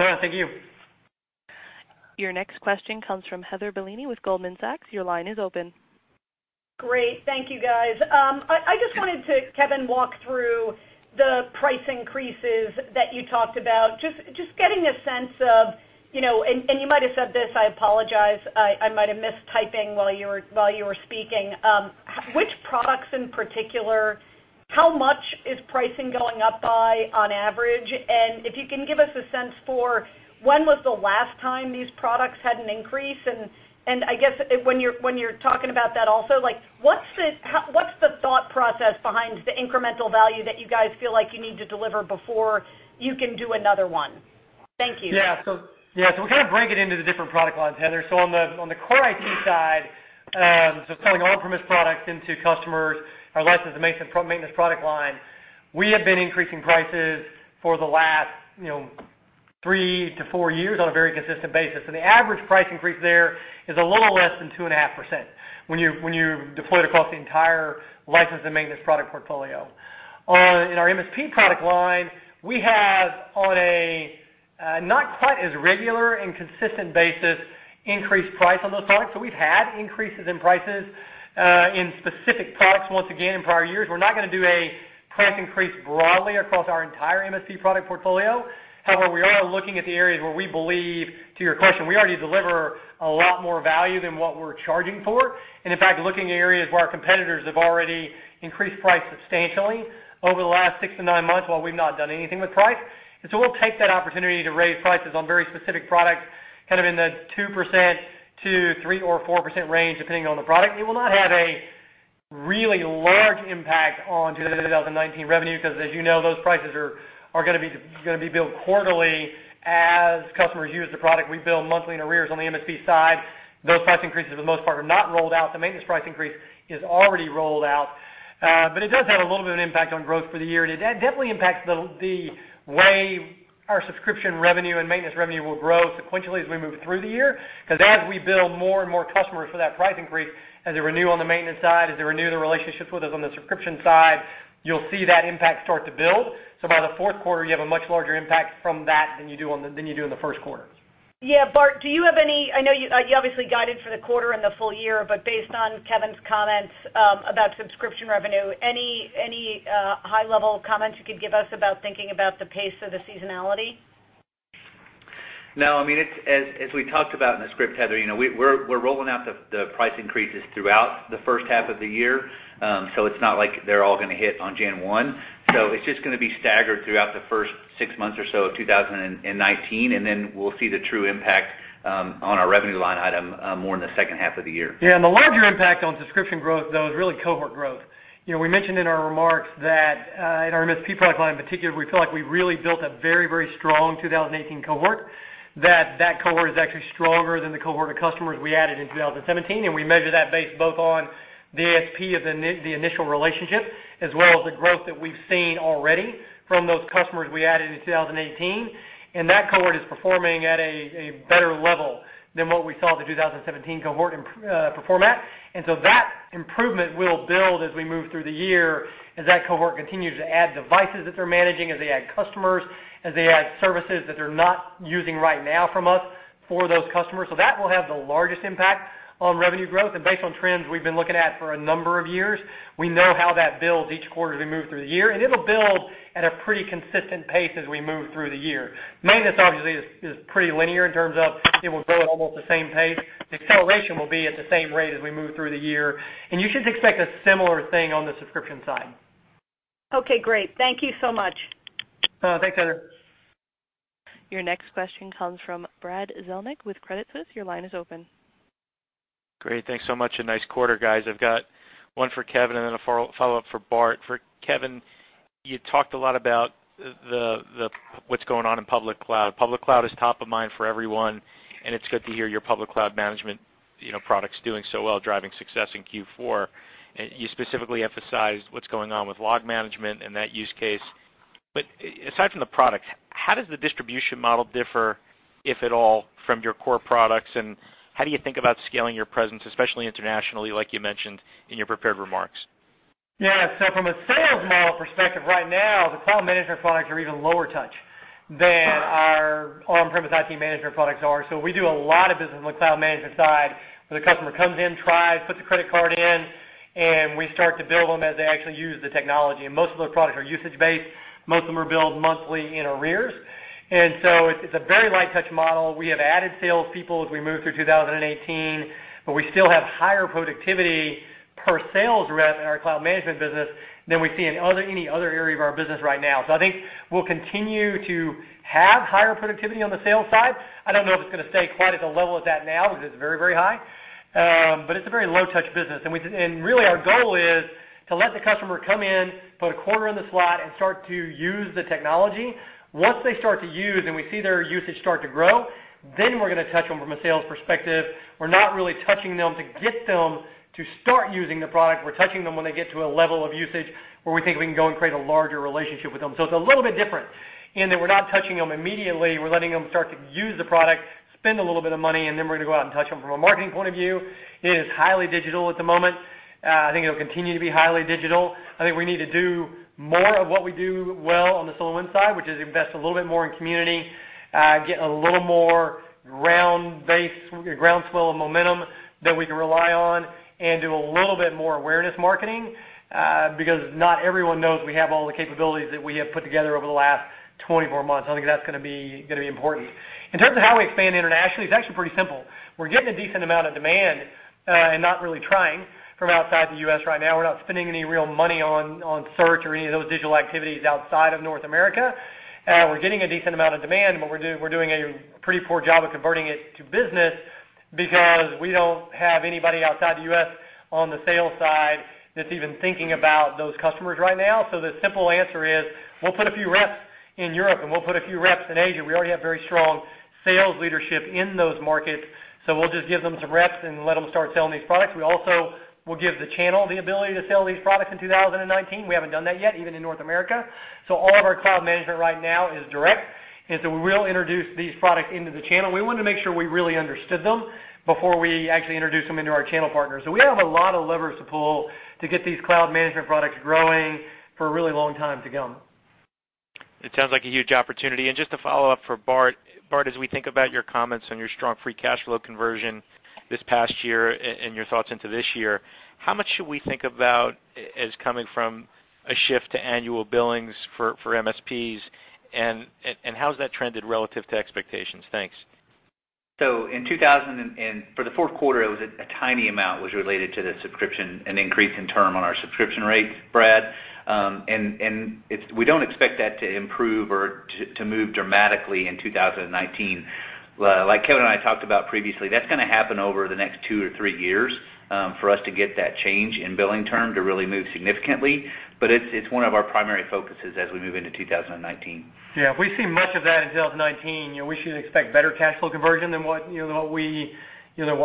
All right. Thank you. Your next question comes from Heather Bellini with Goldman Sachs. Your line is open. Great. Thank you guys. I just wanted to, Kevin, walk through the price increases that you talked about. Just getting a sense of, and you might've said this, I apologize, I might've missed typing while you were speaking. Which products in particular, how much is pricing going up by on average? If you can give us a sense for when was the last time these products had an increase and I guess, when you're talking about that also, what's the thought process behind the incremental value that you guys feel like you need to deliver before you can do another one? Thank you. Yeah. We kind of break it into the different product lines, Heather. On the core IT side, so selling on-premise products into customers, our license and maintenance product line, we have been increasing prices for the last three to four years on a very consistent basis. The average price increase there is a little less than 2.5% when you deploy it across the entire license and maintenance product portfolio. In our MSP product line, we have on a not quite as regular and consistent basis increased price on those products. We've had increases in prices, in specific products once again in prior years. We're not going to do a price increase broadly across our entire MSP product portfolio. However, we are looking at the areas where we believe, to your question, we already deliver a lot more value than what we're charging for. In fact, looking at areas where our competitors have already increased price substantially over the last six to nine months while we've not done anything with price. We'll take that opportunity to raise prices on very specific products, kind of in the 2%-3% or 4% range, depending on the product. It will not have a really large impact on 2019 revenue, because as you know, those prices are going to be billed quarterly as customers use the product. We bill monthly in arrears on the MSP side. Those price increases for the most part, are not rolled out. The maintenance price increase is already rolled out. It does have a little bit of an impact on growth for the year, and it definitely impacts the way our subscription revenue and maintenance revenue will grow sequentially as we move through the year. As we bill more and more customers for that price increase, as they renew on the maintenance side, as they renew the relationships with us on the subscription side, you'll see that impact start to build. By the fourth quarter, you have a much larger impact from that than you do in the first quarter. Bart, do you have any-- I know you obviously guided for the quarter and the full-year, but based on Kevin's comments about subscription revenue, any high level comments you could give us about thinking about the pace of the seasonality? No, as we talked about in the script, Heather, we're rolling out the price increases throughout the first half of the year. It's not like they're all going to hit on January 1. It's just going to be staggered throughout the first six months or so of 2019, and then we'll see the true impact on our revenue line item more in the second half of the year. The larger impact on subscription growth, though, is really cohort growth. We mentioned in our remarks that, in our MSP product line in particular, we feel like we really built a very strong 2018 cohort. That cohort is actually stronger than the cohort of customers we added in 2017. We measure that based both on the SP of the initial relationship as well as the growth that we've seen already from those customers we added in 2018. That cohort is performing at a better level than what we saw the 2017 cohort perform at. That improvement will build as we move through the year, as that cohort continues to add devices that they're managing, as they add customers, as they add services that they're not using right now from us for those customers. That will have the largest impact on revenue growth. Based on trends we've been looking at for a number of years, we know how that builds each quarter as we move through the year. It'll build at a pretty consistent pace as we move through the year. Maintenance obviously is pretty linear in terms of it will grow at almost the same pace. The acceleration will be at the same rate as we move through the year. You should expect a similar thing on the subscription side. Okay, great. Thank you so much. Thanks, Heather. Your next question comes from Brad Zelnick with Credit Suisse. Your line is open. Great. Thanks so much, and nice quarter, guys. I've got one for Kevin Thompson and then a follow-up for Bart Kalsu. For Kevin Thompson, you talked a lot about what's going on in public cloud. Public cloud is top of mind for everyone, and it's good to hear your public cloud management product's doing so well, driving success in Q4. You specifically emphasized what's going on with log management and that use case. Aside from the product, how does the distribution model differ, if at all, from your core products, and how do you think about scaling your presence, especially internationally, like you mentioned in your prepared remarks? From a sales model perspective right now, the cloud management products are even lower touch than our on-premise IT management products are. We do a lot of business on the cloud management side, where the customer comes in, tries, puts the credit card in, and we start to bill them as they actually use the technology. Most of those products are usage-based. Most of them are billed monthly in arrears. It's a very light touch model. We have added salespeople as we moved through 2018, we still have higher productivity per sales rep in our cloud management business than we see in any other area of our business right now. I think we'll continue to have higher productivity on the sales side. I don't know if it's going to stay quite at the level it's at now, because it's very high. It's a very low-touch business. Really our goal is to let the customer come in, put a quarter in the slot, and start to use the technology. Once they start to use and we see their usage start to grow, we're going to touch them from a sales perspective. We're not really touching them to get them to start using the product. We're touching them when they get to a level of usage where we think we can go and create a larger relationship with them. It's a little bit different in that we're not touching them immediately. We're letting them start to use the product, spend a little bit of money, we're going to go out and touch them from a marketing point of view. It is highly digital at the moment. I think it'll continue to be highly digital. I think we need to do more of what we do well on the SolarWinds side, which is invest a little bit more in community, get a little more groundswell of momentum that we can rely on, and do a little bit more awareness marketing, because not everyone knows we have all the capabilities that we have put together over the last 24 months. I think that's going to be important. In terms of how we expand internationally, it's actually pretty simple. We're getting a decent amount of demand, and not really trying, from outside the U.S. right now. We're not spending any real money on search or any of those digital activities outside of North America. We're getting a decent amount of demand, but we're doing a pretty poor job of converting it to business because we don't have anybody outside the U.S. on the sales side that's even thinking about those customers right now. The simple answer is we'll put a few reps in Europe, we'll put a few reps in Asia. We already have very strong sales leadership in those markets, we'll just give them some reps and let them start selling these products. We also will give the channel the ability to sell these products in 2019. We haven't done that yet, even in North America. All of our cloud management right now is direct, we will introduce these products into the channel. We wanted to make sure we really understood them before we actually introduce them into our channel partners. We have a lot of levers to pull to get these cloud management products growing for a really long time to come. It sounds like a huge opportunity. Just a follow-up for Bart. Bart, as we think about your comments on your strong free cash flow conversion this past year and your thoughts into this year, how much should we think about as coming from a shift to annual billings for MSPs? How has that trended relative to expectations? Thanks. For the fourth quarter, a tiny amount was related to the subscription, an increase in term on our subscription rates, Brad. We don't expect that to improve or to move dramatically in 2019. Like Kevin and I talked about previously, that's going to happen over the next two to three years for us to get that change in billing term to really move significantly. It's one of our primary focuses as we move into 2019. Yeah. If we see much of that in 2019, we should expect better cash flow conversion than what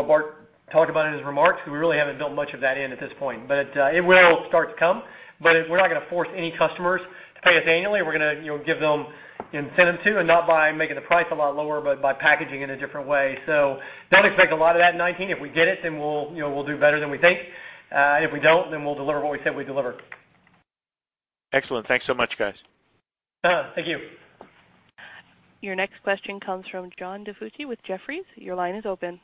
Bart talked about in his remarks. We really haven't built much of that in at this point. It will start to come, but we're not going to force any customers to pay us annually. We're going to give them incentive to, and not by making the price a lot lower, but by packaging it a different way. Don't expect a lot of that in 2019. If we get it, then we'll do better than we think. If we don't, then we'll deliver what we said we'd deliver. Excellent. Thanks so much, guys. Thank you. Your next question comes from John DiFucci with Jefferies. Your line is open.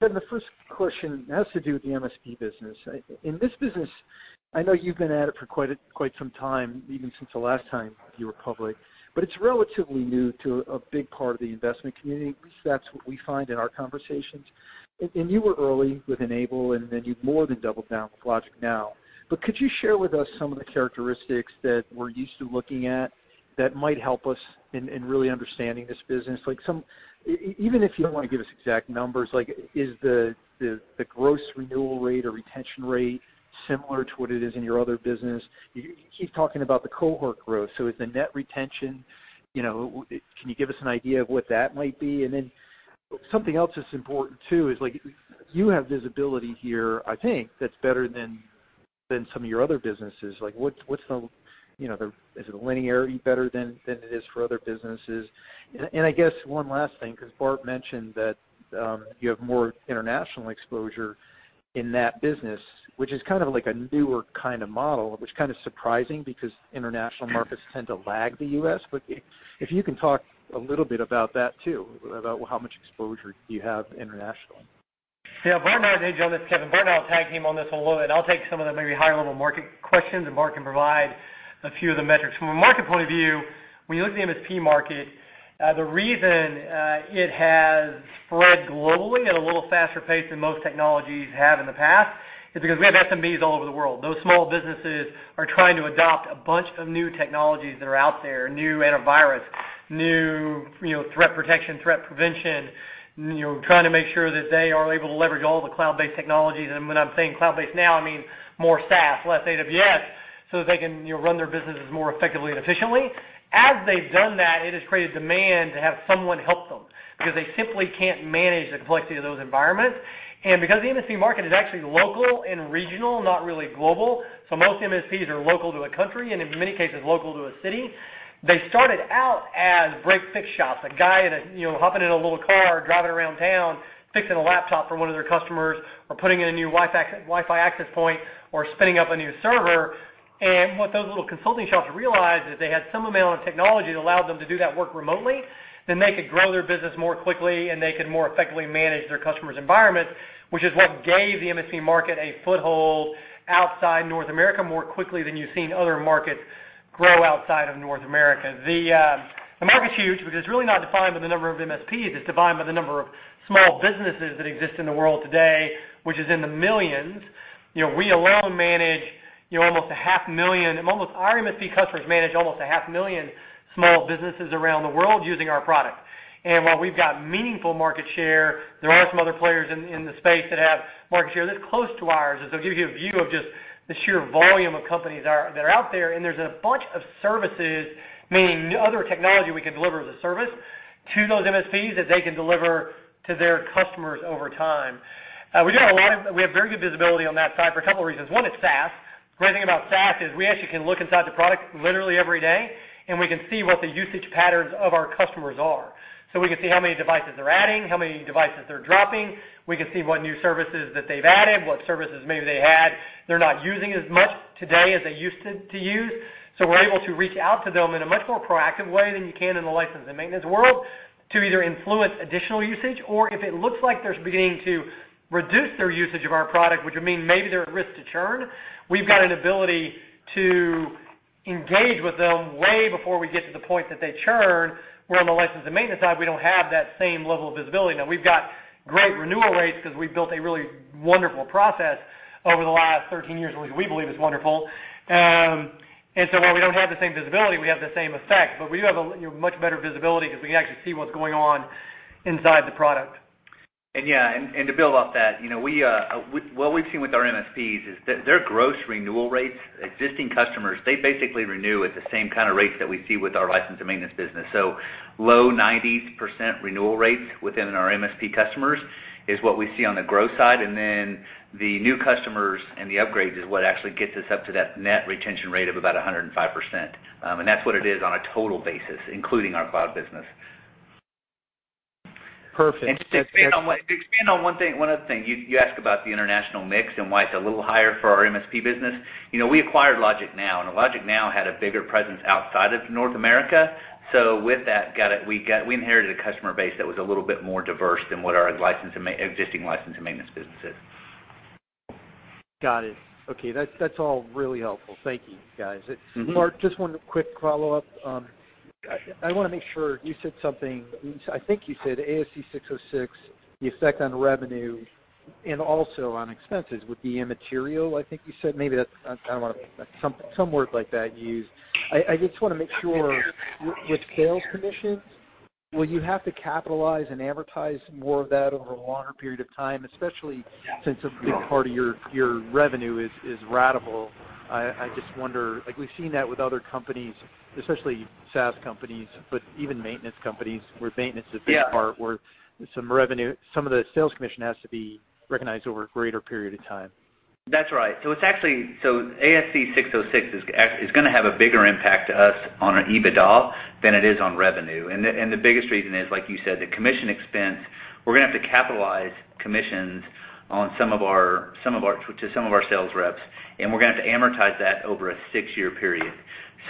The first question has to do with the MSP business. In this business, I know you've been at it for quite some time, even since the last time you were public, but it's relatively new to a big part of the investment community. At least that's what we find in our conversations. You were early with N-able, and then you've more than doubled down with LogicNow. Could you share with us some of the characteristics that we're used to looking at that might help us in really understanding this business? Even if you don't want to give us exact numbers, is the gross renewal rate or retention rate similar to what it is in your other business? You keep talking about the cohort growth. Is the net retention, can you give us an idea of what that might be? Something else that's important too is you have visibility here, I think, that's better than some of your other businesses. Is the linearity better than it is for other businesses? I guess one last thing, because Bart mentioned that you have more international exposure in that business, which is kind of like a newer kind of model, which is kind of surprising because international markets tend to lag the U.S. If you can talk a little bit about that too, about how much exposure do you have international? Yeah. Bart and I had an edge on this, Kevin. Bart and I will tag team on this a little bit. I'll take some of the maybe high-level market questions, Bart can provide a few of the metrics. From a market point of view, when you look at the MSP market, the reason it has spread globally at a little faster pace than most technologies have in the past is because we have SMBs all over the world. Those small businesses are trying to adopt a bunch of new technologies that are out there, new antivirus, new threat protection, threat prevention, trying to make sure that they are able to leverage all the cloud-based technologies. When I'm saying cloud-based now, I mean more SaaS, less AWS, so that they can run their businesses more effectively and efficiently. As they've done that, it has created demand to have someone help them because they simply can't manage the complexity of those environments. Because the MSP market is actually local and regional, not really global, most MSPs are local to a country, and in many cases, local to a city. They started out as break-fix shops, a guy hopping in a little car, driving around town, fixing a laptop for one of their customers or putting in a new Wi-Fi access point or spinning up a new server. What those little consulting shops realized is they had some amount of technology that allowed them to do that work remotely, then they could grow their business more quickly, and they could more effectively manage their customer's environment, which is what gave the MSP market a foothold outside North America more quickly than you've seen other markets grow outside of North America. The market's huge because it's really not defined by the number of MSPs. It's defined by the number of small businesses that exist in the world today, which is in the millions. Our MSP customers manage almost a half million small businesses around the world using our product. While we've got meaningful market share, there are some other players in the space that have market share that's close to ours. It'll give you a view of just the sheer volume of companies that are out there, and there's a bunch of services, meaning other technology we can deliver as a service to those MSPs that they can deliver to their customers over time. We have very good visibility on that side for a couple reasons. One, it's SaaS. The great thing about SaaS is we actually can look inside the product literally every day, and we can see what the usage patterns of our customers are. We can see how many devices they're adding, how many devices they're dropping. We can see what new services that they've added, what services maybe they had they're not using as much today as they used to use. We're able to reach out to them in a much more proactive way than you can in the license and maintenance world to either influence additional usage or if it looks like they're beginning to reduce their usage of our product, which would mean maybe they're at risk to churn, we've got an ability to engage with them way before we get to the point that they churn, where on the license and maintenance side, we don't have that same level of visibility. Now, we've got great renewal rates because we've built a really wonderful process over the last 13 years, at least we believe it's wonderful. While we don't have the same visibility, we have the same effect. We do have much better visibility because we can actually see what's going on inside the product. Yeah. To build off that, what we've seen with our MSPs is that their gross renewal rates, existing customers, they basically renew at the same kind of rates that we see with our license and maintenance business. Low 90% renewal rates within our MSP customers is what we see on the gross side, and then the new customers and the upgrades is what actually gets us up to that net retention rate of about 105%. That's what it is on a total basis, including our cloud business. Perfect. To expand on one of the things, you asked about the international mix and why it's a little higher for our MSP business. We acquired LogicNow, and LogicNow had a bigger presence outside of North America. With that, we inherited a customer base that was a little bit more diverse than what our existing license and maintenance business is. Got it. Okay. That's all really helpful. Thank you, guys. Bart, just one quick follow-up. I want to make sure, you said something, I think you said ASC 606, the effect on revenue and also on expenses would be immaterial, I think you said. Maybe some word like that you used. I just want to make sure with sales commissions, will you have to capitalize and amortize more of that over a longer period of time, especially since a big part of your revenue is ratable. I just wonder, we've seen that with other companies, especially SaaS companies, but even maintenance companies where maintenance is a big part. Yeah. where some of the sales commission has to be recognized over a greater period of time. That's right. ASC 606 is going to have a bigger impact to us on an EBITDA than it is on revenue. The biggest reason is, like you said, the commission expense, we're going to have to capitalize commissions to some of our sales reps, and we're going to have to amortize that over a six-year period.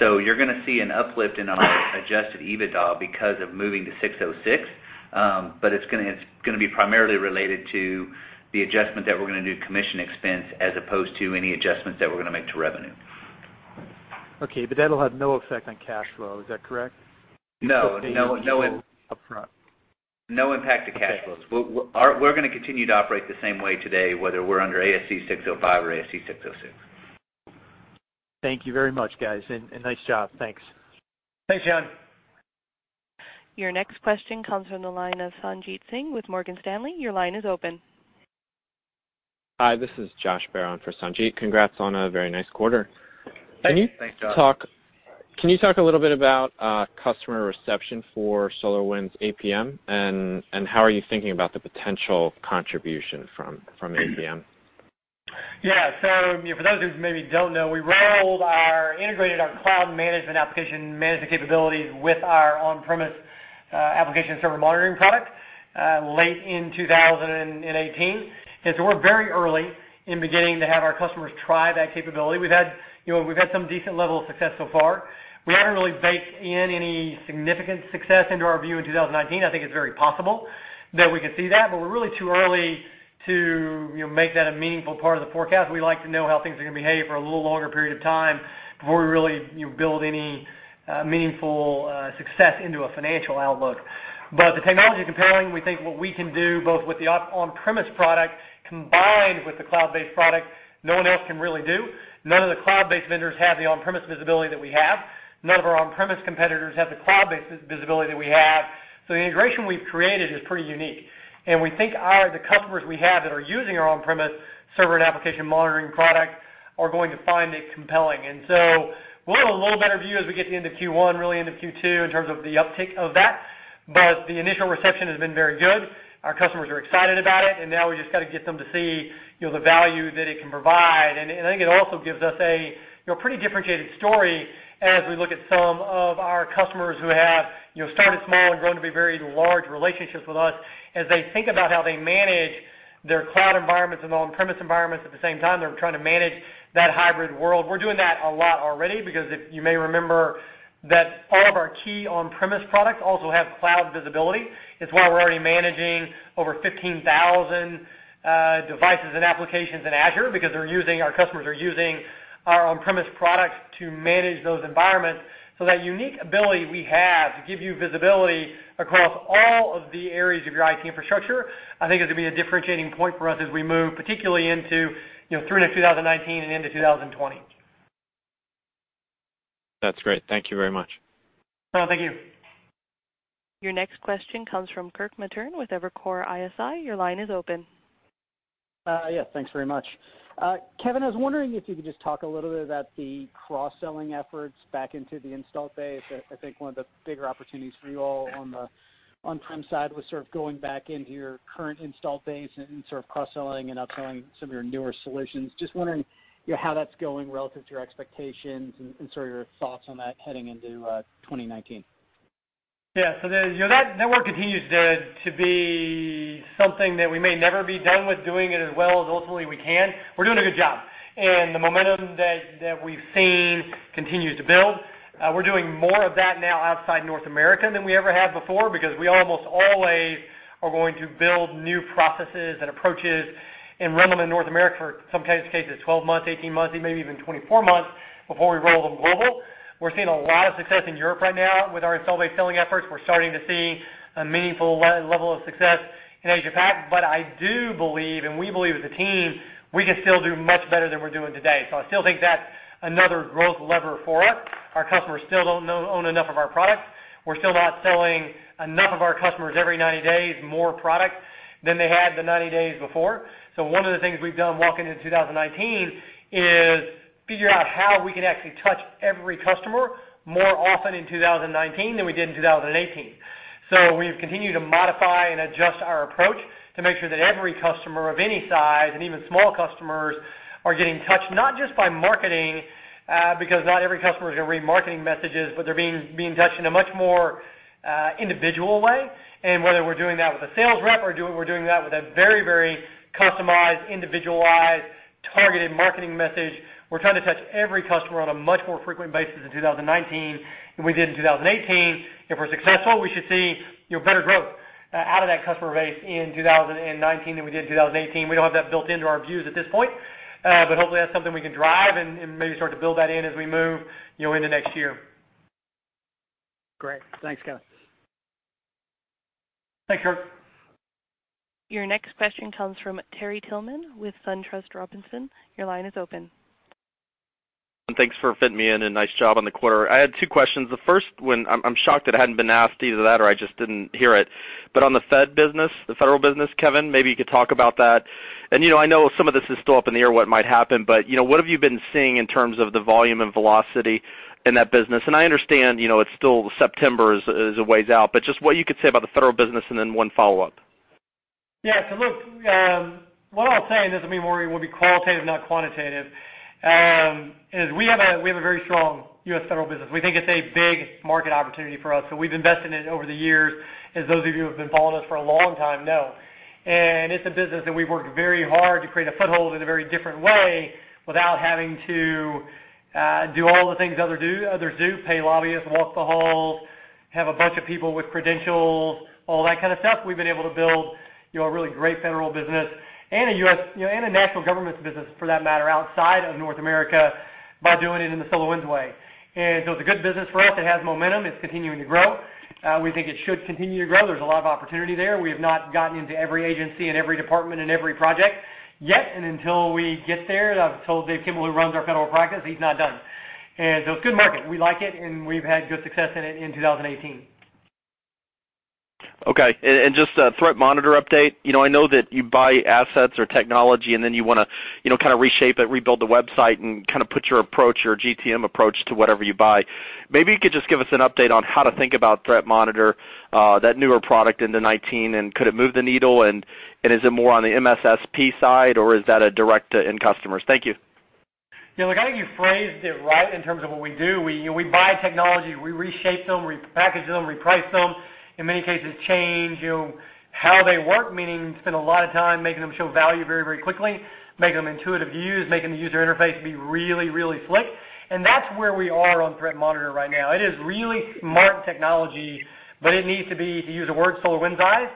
You're going to see an uplift in our adjusted EBITDA because of moving to 606. It's going to be primarily related to the adjustment that we're going to do commission expense as opposed to any adjustments that we're going to make to revenue. Okay. That'll have no effect on cash flow, is that correct? No. It's just being shown upfront. No impact to cash flows. Okay. We're going to continue to operate the same way today, whether we're under ASC 605 or ASC 606. Thank you very much, guys, and nice job. Thanks. Thanks, John. Your next question comes from the line of Sanjit Singh with Morgan Stanley. Your line is open. Hi, this is Josh Barron for Sanjit. Congrats on a very nice quarter. Thanks, Josh. Can you talk a little bit about customer reception for SolarWinds APM, and how are you thinking about the potential contribution from APM? Yeah. For those of you who maybe don't know, we rolled our integrated our cloud management application management capabilities with our on-premise application server monitoring product late in 2018. We're very early in beginning to have our customers try that capability. We've had some decent level of success so far. We haven't really baked in any significant success into our view in 2019. I think it's very possible that we could see that, but we're really too early to make that a meaningful part of the forecast. We like to know how things are going to behave for a little longer period of time before we really build any meaningful success into a financial outlook. The technology comparing, we think what we can do both with the on-premise product combined with the cloud-based product, no one else can really do. None of the cloud-based vendors have the on-premise visibility that we have. None of our on-premise competitors have the cloud-based visibility that we have. The integration we've created is pretty unique, and we think the customers we have that are using our on-premise server and application monitoring product are going to find it compelling. We'll have a little better view as we get into Q1, really into Q2 in terms of the uptick of that. The initial reception has been very good. Our customers are excited about it, and now we've just got to get them to see the value that it can provide. I think it also gives us a pretty differentiated story as we look at some of our customers who have started small and grown to be very large relationships with us as they think about how they manage their cloud environments and on-premise environments at the same time, they're trying to manage that hybrid world. We're doing that a lot already because if you may remember that all of our key on-premise products also have cloud visibility. It's why we're already managing over 15,000 devices and applications in Azure because our customers are using our on-premise products to manage those environments. That unique ability we have to give you visibility across all of the areas of your IT infrastructure, I think is going to be a differentiating point for us as we move, particularly through into 2019 and into 2020. That's great. Thank you very much. No, thank you. Your next question comes from Kirk Materne with Evercore ISI. Your line is open. Yes, thanks very much. Kevin, I was wondering if you could just talk a little bit about the cross-selling efforts back into the installed base. I think one of the bigger opportunities for you all on the on-prem side was sort of going back into your current installed base and sort of cross-selling and upselling some of your newer solutions. Just wondering how that's going relative to your expectations and sort of your thoughts on that heading into 2019. Yeah. That network continues to be something that we may never be done with doing it as well as ultimately we can. We're doing a good job, and the momentum that we've seen continues to build. We're doing more of that now outside North America than we ever have before because we almost always are going to build new processes and approaches and run them in North America for some cases, 12 months, 18 months, and maybe even 24 months before we roll them global. We're seeing a lot of success in Europe right now with our install base selling efforts. We're starting to see a meaningful level of success in Asia-Pac. I do believe, and we believe as a team, we can still do much better than we're doing today. I still think that's another growth lever for us. Our customers still don't own enough of our products. We're still not selling enough of our customers every 90 days more product than they had the 90 days before. One of the things we've done walking into 2019 is figure out how we can actually touch every customer more often in 2019 than we did in 2018. We've continued to modify and adjust our approach to make sure that every customer of any size, and even small customers, are getting touched, not just by marketing, because not every customer is going to read marketing messages, but they're being touched in a much more individual way. Whether we're doing that with a sales rep or we're doing that with a very, very customized, individualized, targeted marketing message, we're trying to touch every customer on a much more frequent basis in 2019 than we did in 2018. If we're successful, we should see better growth out of that customer base in 2019 than we did in 2018. We don't have that built into our views at this point, but hopefully that's something we can drive and maybe start to build that in as we move into next year. Great. Thanks, Kevin. Thanks, Kirk. Your next question comes from Terry Tillman with SunTrust Robinson. Your line is open. Thanks for fitting me in. Nice job on the quarter. I had two questions. The first one, I'm shocked that it hadn't been asked, either that or I just didn't hear it. On the fed business, the federal business, Kevin, maybe you could talk about that. I know some of this is still up in the air what might happen, but what have you been seeing in terms of the volume and velocity in that business? I understand, it's still September is a ways out, but just what you could say about the federal business, and then one follow-up. Yeah. Look, what I'll say, and this will be more qualitative, not quantitative, is we have a very strong U.S. federal business. We think it's a big market opportunity for us, so we've invested in it over the years, as those of you who have been following us for a long time know. It's a business that we've worked very hard to create a foothold in a very different way without having to do all the things others do, pay lobbyists, walk the halls, have a bunch of people with credentials, all that kind of stuff. We've been able to build a really great federal business and a national governments business for that matter, outside of North America by doing it in the SolarWinds way. It's a good business for us. It has momentum. It's continuing to grow. We think it should continue to grow. There's a lot of opportunity there. We have not gotten into every agency and every department and every project yet, until we get there, and I've told David Kimball, who runs our federal practice, he's not done. It's a good market. We like it, and we've had good success in it in 2018. Okay. Just a Threat Monitor update. I know that you buy assets or technology, you want to kind of reshape it, rebuild the website, and kind of put your approach, your GTM approach to whatever you buy. Maybe you could just give us an update on how to think about Threat Monitor, that newer product into 2019, could it move the needle, is it more on the MSSP side, or is that a direct to end customers? Thank you. Yeah, look, I think you phrased it right in terms of what we do. We buy technology. We reshape them, we package them, reprice them. In many cases, change how they work, meaning spend a lot of time making them show value very, very quickly, making them intuitive to use, making the user interface be really, really slick. That's where we are on Threat Monitor right now. It is really smart technology, but it needs to be, to use the word SolarWinds eyes.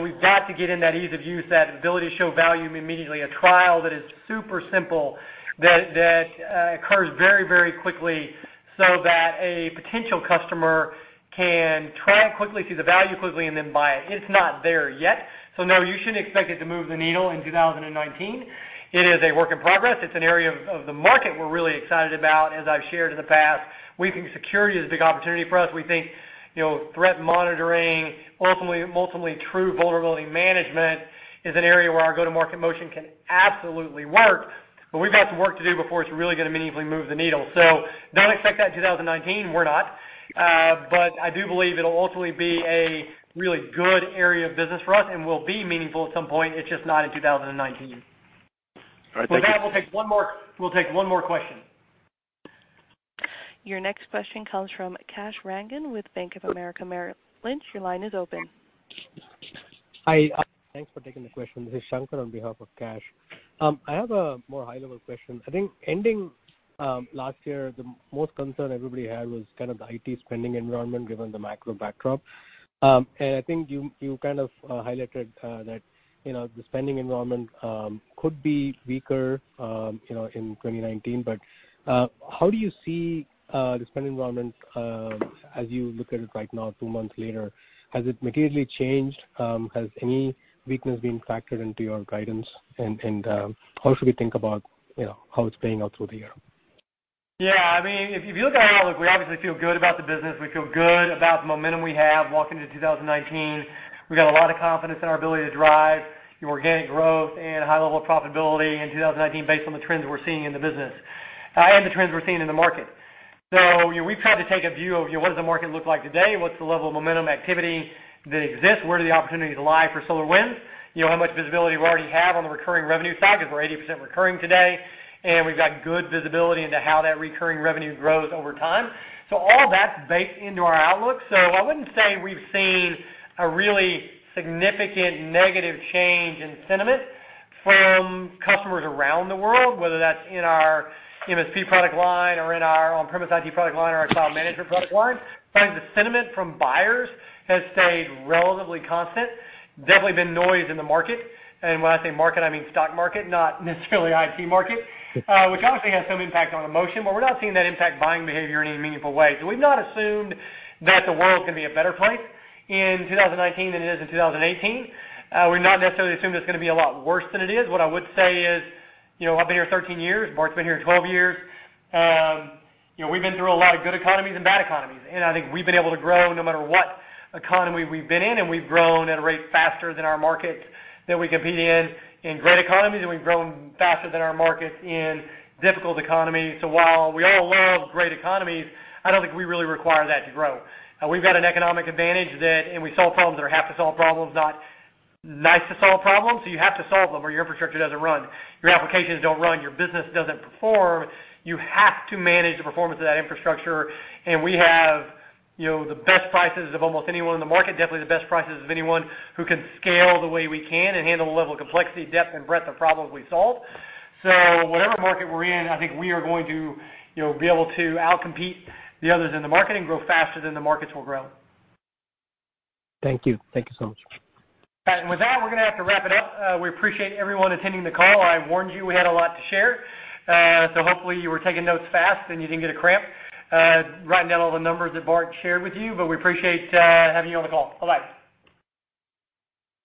We've got to get in that ease of use, that ability to show value immediately, a trial that is super simple, that occurs very, very quickly so that a potential customer can try it quickly, see the value quickly, and then buy it. It's not there yet. No, you shouldn't expect it to move the needle in 2019. It is a work in progress. It's an area of the market we're really excited about. As I've shared in the past, we think security is a big opportunity for us. We think threat monitoring, ultimately true vulnerability management is an area where our go-to-market motion can absolutely work. We've got some work to do before it's really going to meaningfully move the needle. Don't expect that in 2019. We're not. I do believe it'll ultimately be a really good area of business for us and will be meaningful at some point. It's just not in 2019. All right. Thank you. With that, we'll take one more question. Your next question comes from Kash Rangan with Bank of America Merrill Lynch. Your line is open. Hi. Thanks for taking the question. This is Shankar on behalf of Kash. I have a more high-level question. I think ending last year, the most concern everybody had was kind of the IT spending environment, given the macro backdrop. I think you kind of highlighted that the spending environment could be weaker in 2019. How do you see the spending environment as you look at it right now, two months later? Has it materially changed? Has any weakness been factored into your guidance? How should we think about how it's playing out through the year? Yeah, if you look at our outlook, we obviously feel good about the business. We feel good about the momentum we have walking into 2019. We've got a lot of confidence in our ability to drive organic growth and a high level of profitability in 2019 based on the trends we're seeing in the business and the trends we're seeing in the market. We've tried to take a view of what does the market look like today? What's the level of momentum activity that exists? Where do the opportunities lie for SolarWinds? How much visibility we already have on the recurring revenue side because we're 80% recurring today, and we've got good visibility into how that recurring revenue grows over time. All that's baked into our outlook. I wouldn't say we've seen a really significant negative change in sentiment from customers around the world, whether that's in our MSP product line or in our on-premise IT product line or our cloud management product line. I find the sentiment from buyers has stayed relatively constant. There has definitely been noise in the market. When I say market, I mean stock market, not necessarily IT market, which obviously has some impact on emotion, we're not seeing that impact buying behavior in any meaningful way. We've not assumed that the world's going to be a better place in 2019 than it is in 2018. We've not necessarily assumed it's going to be a lot worse than it is. What I would say is, I've been here 13 years, Bart's been here 12 years. We've been through a lot of good economies and bad economies. I think we've been able to grow no matter what economy we've been in, and we've grown at a rate faster than our markets that we compete in great economies, and we've grown faster than our markets in difficult economies. While we all love great economies, I don't think we really require that to grow. We've got an economic advantage that, and we solve problems that are have-to-solve problems, not nice-to-solve problems. You have to solve them or your infrastructure doesn't run, your applications don't run, your business doesn't perform. You have to manage the performance of that infrastructure. We have the best prices of almost anyone in the market, definitely the best prices of anyone who can scale the way we can and handle the level of complexity, depth, and breadth of problems we solve. Whatever market we're in, I think we are going to be able to outcompete the others in the market and grow faster than the markets will grow. Thank you. Thank you so much. With that, we're going to have to wrap it up. We appreciate everyone attending the call. I warned you we had a lot to share. Hopefully you were taking notes fast and you didn't get a cramp writing down all the numbers that Bart shared with you. We appreciate having you on the call. Bye-bye.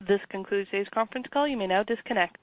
This concludes today's conference call. You may now disconnect.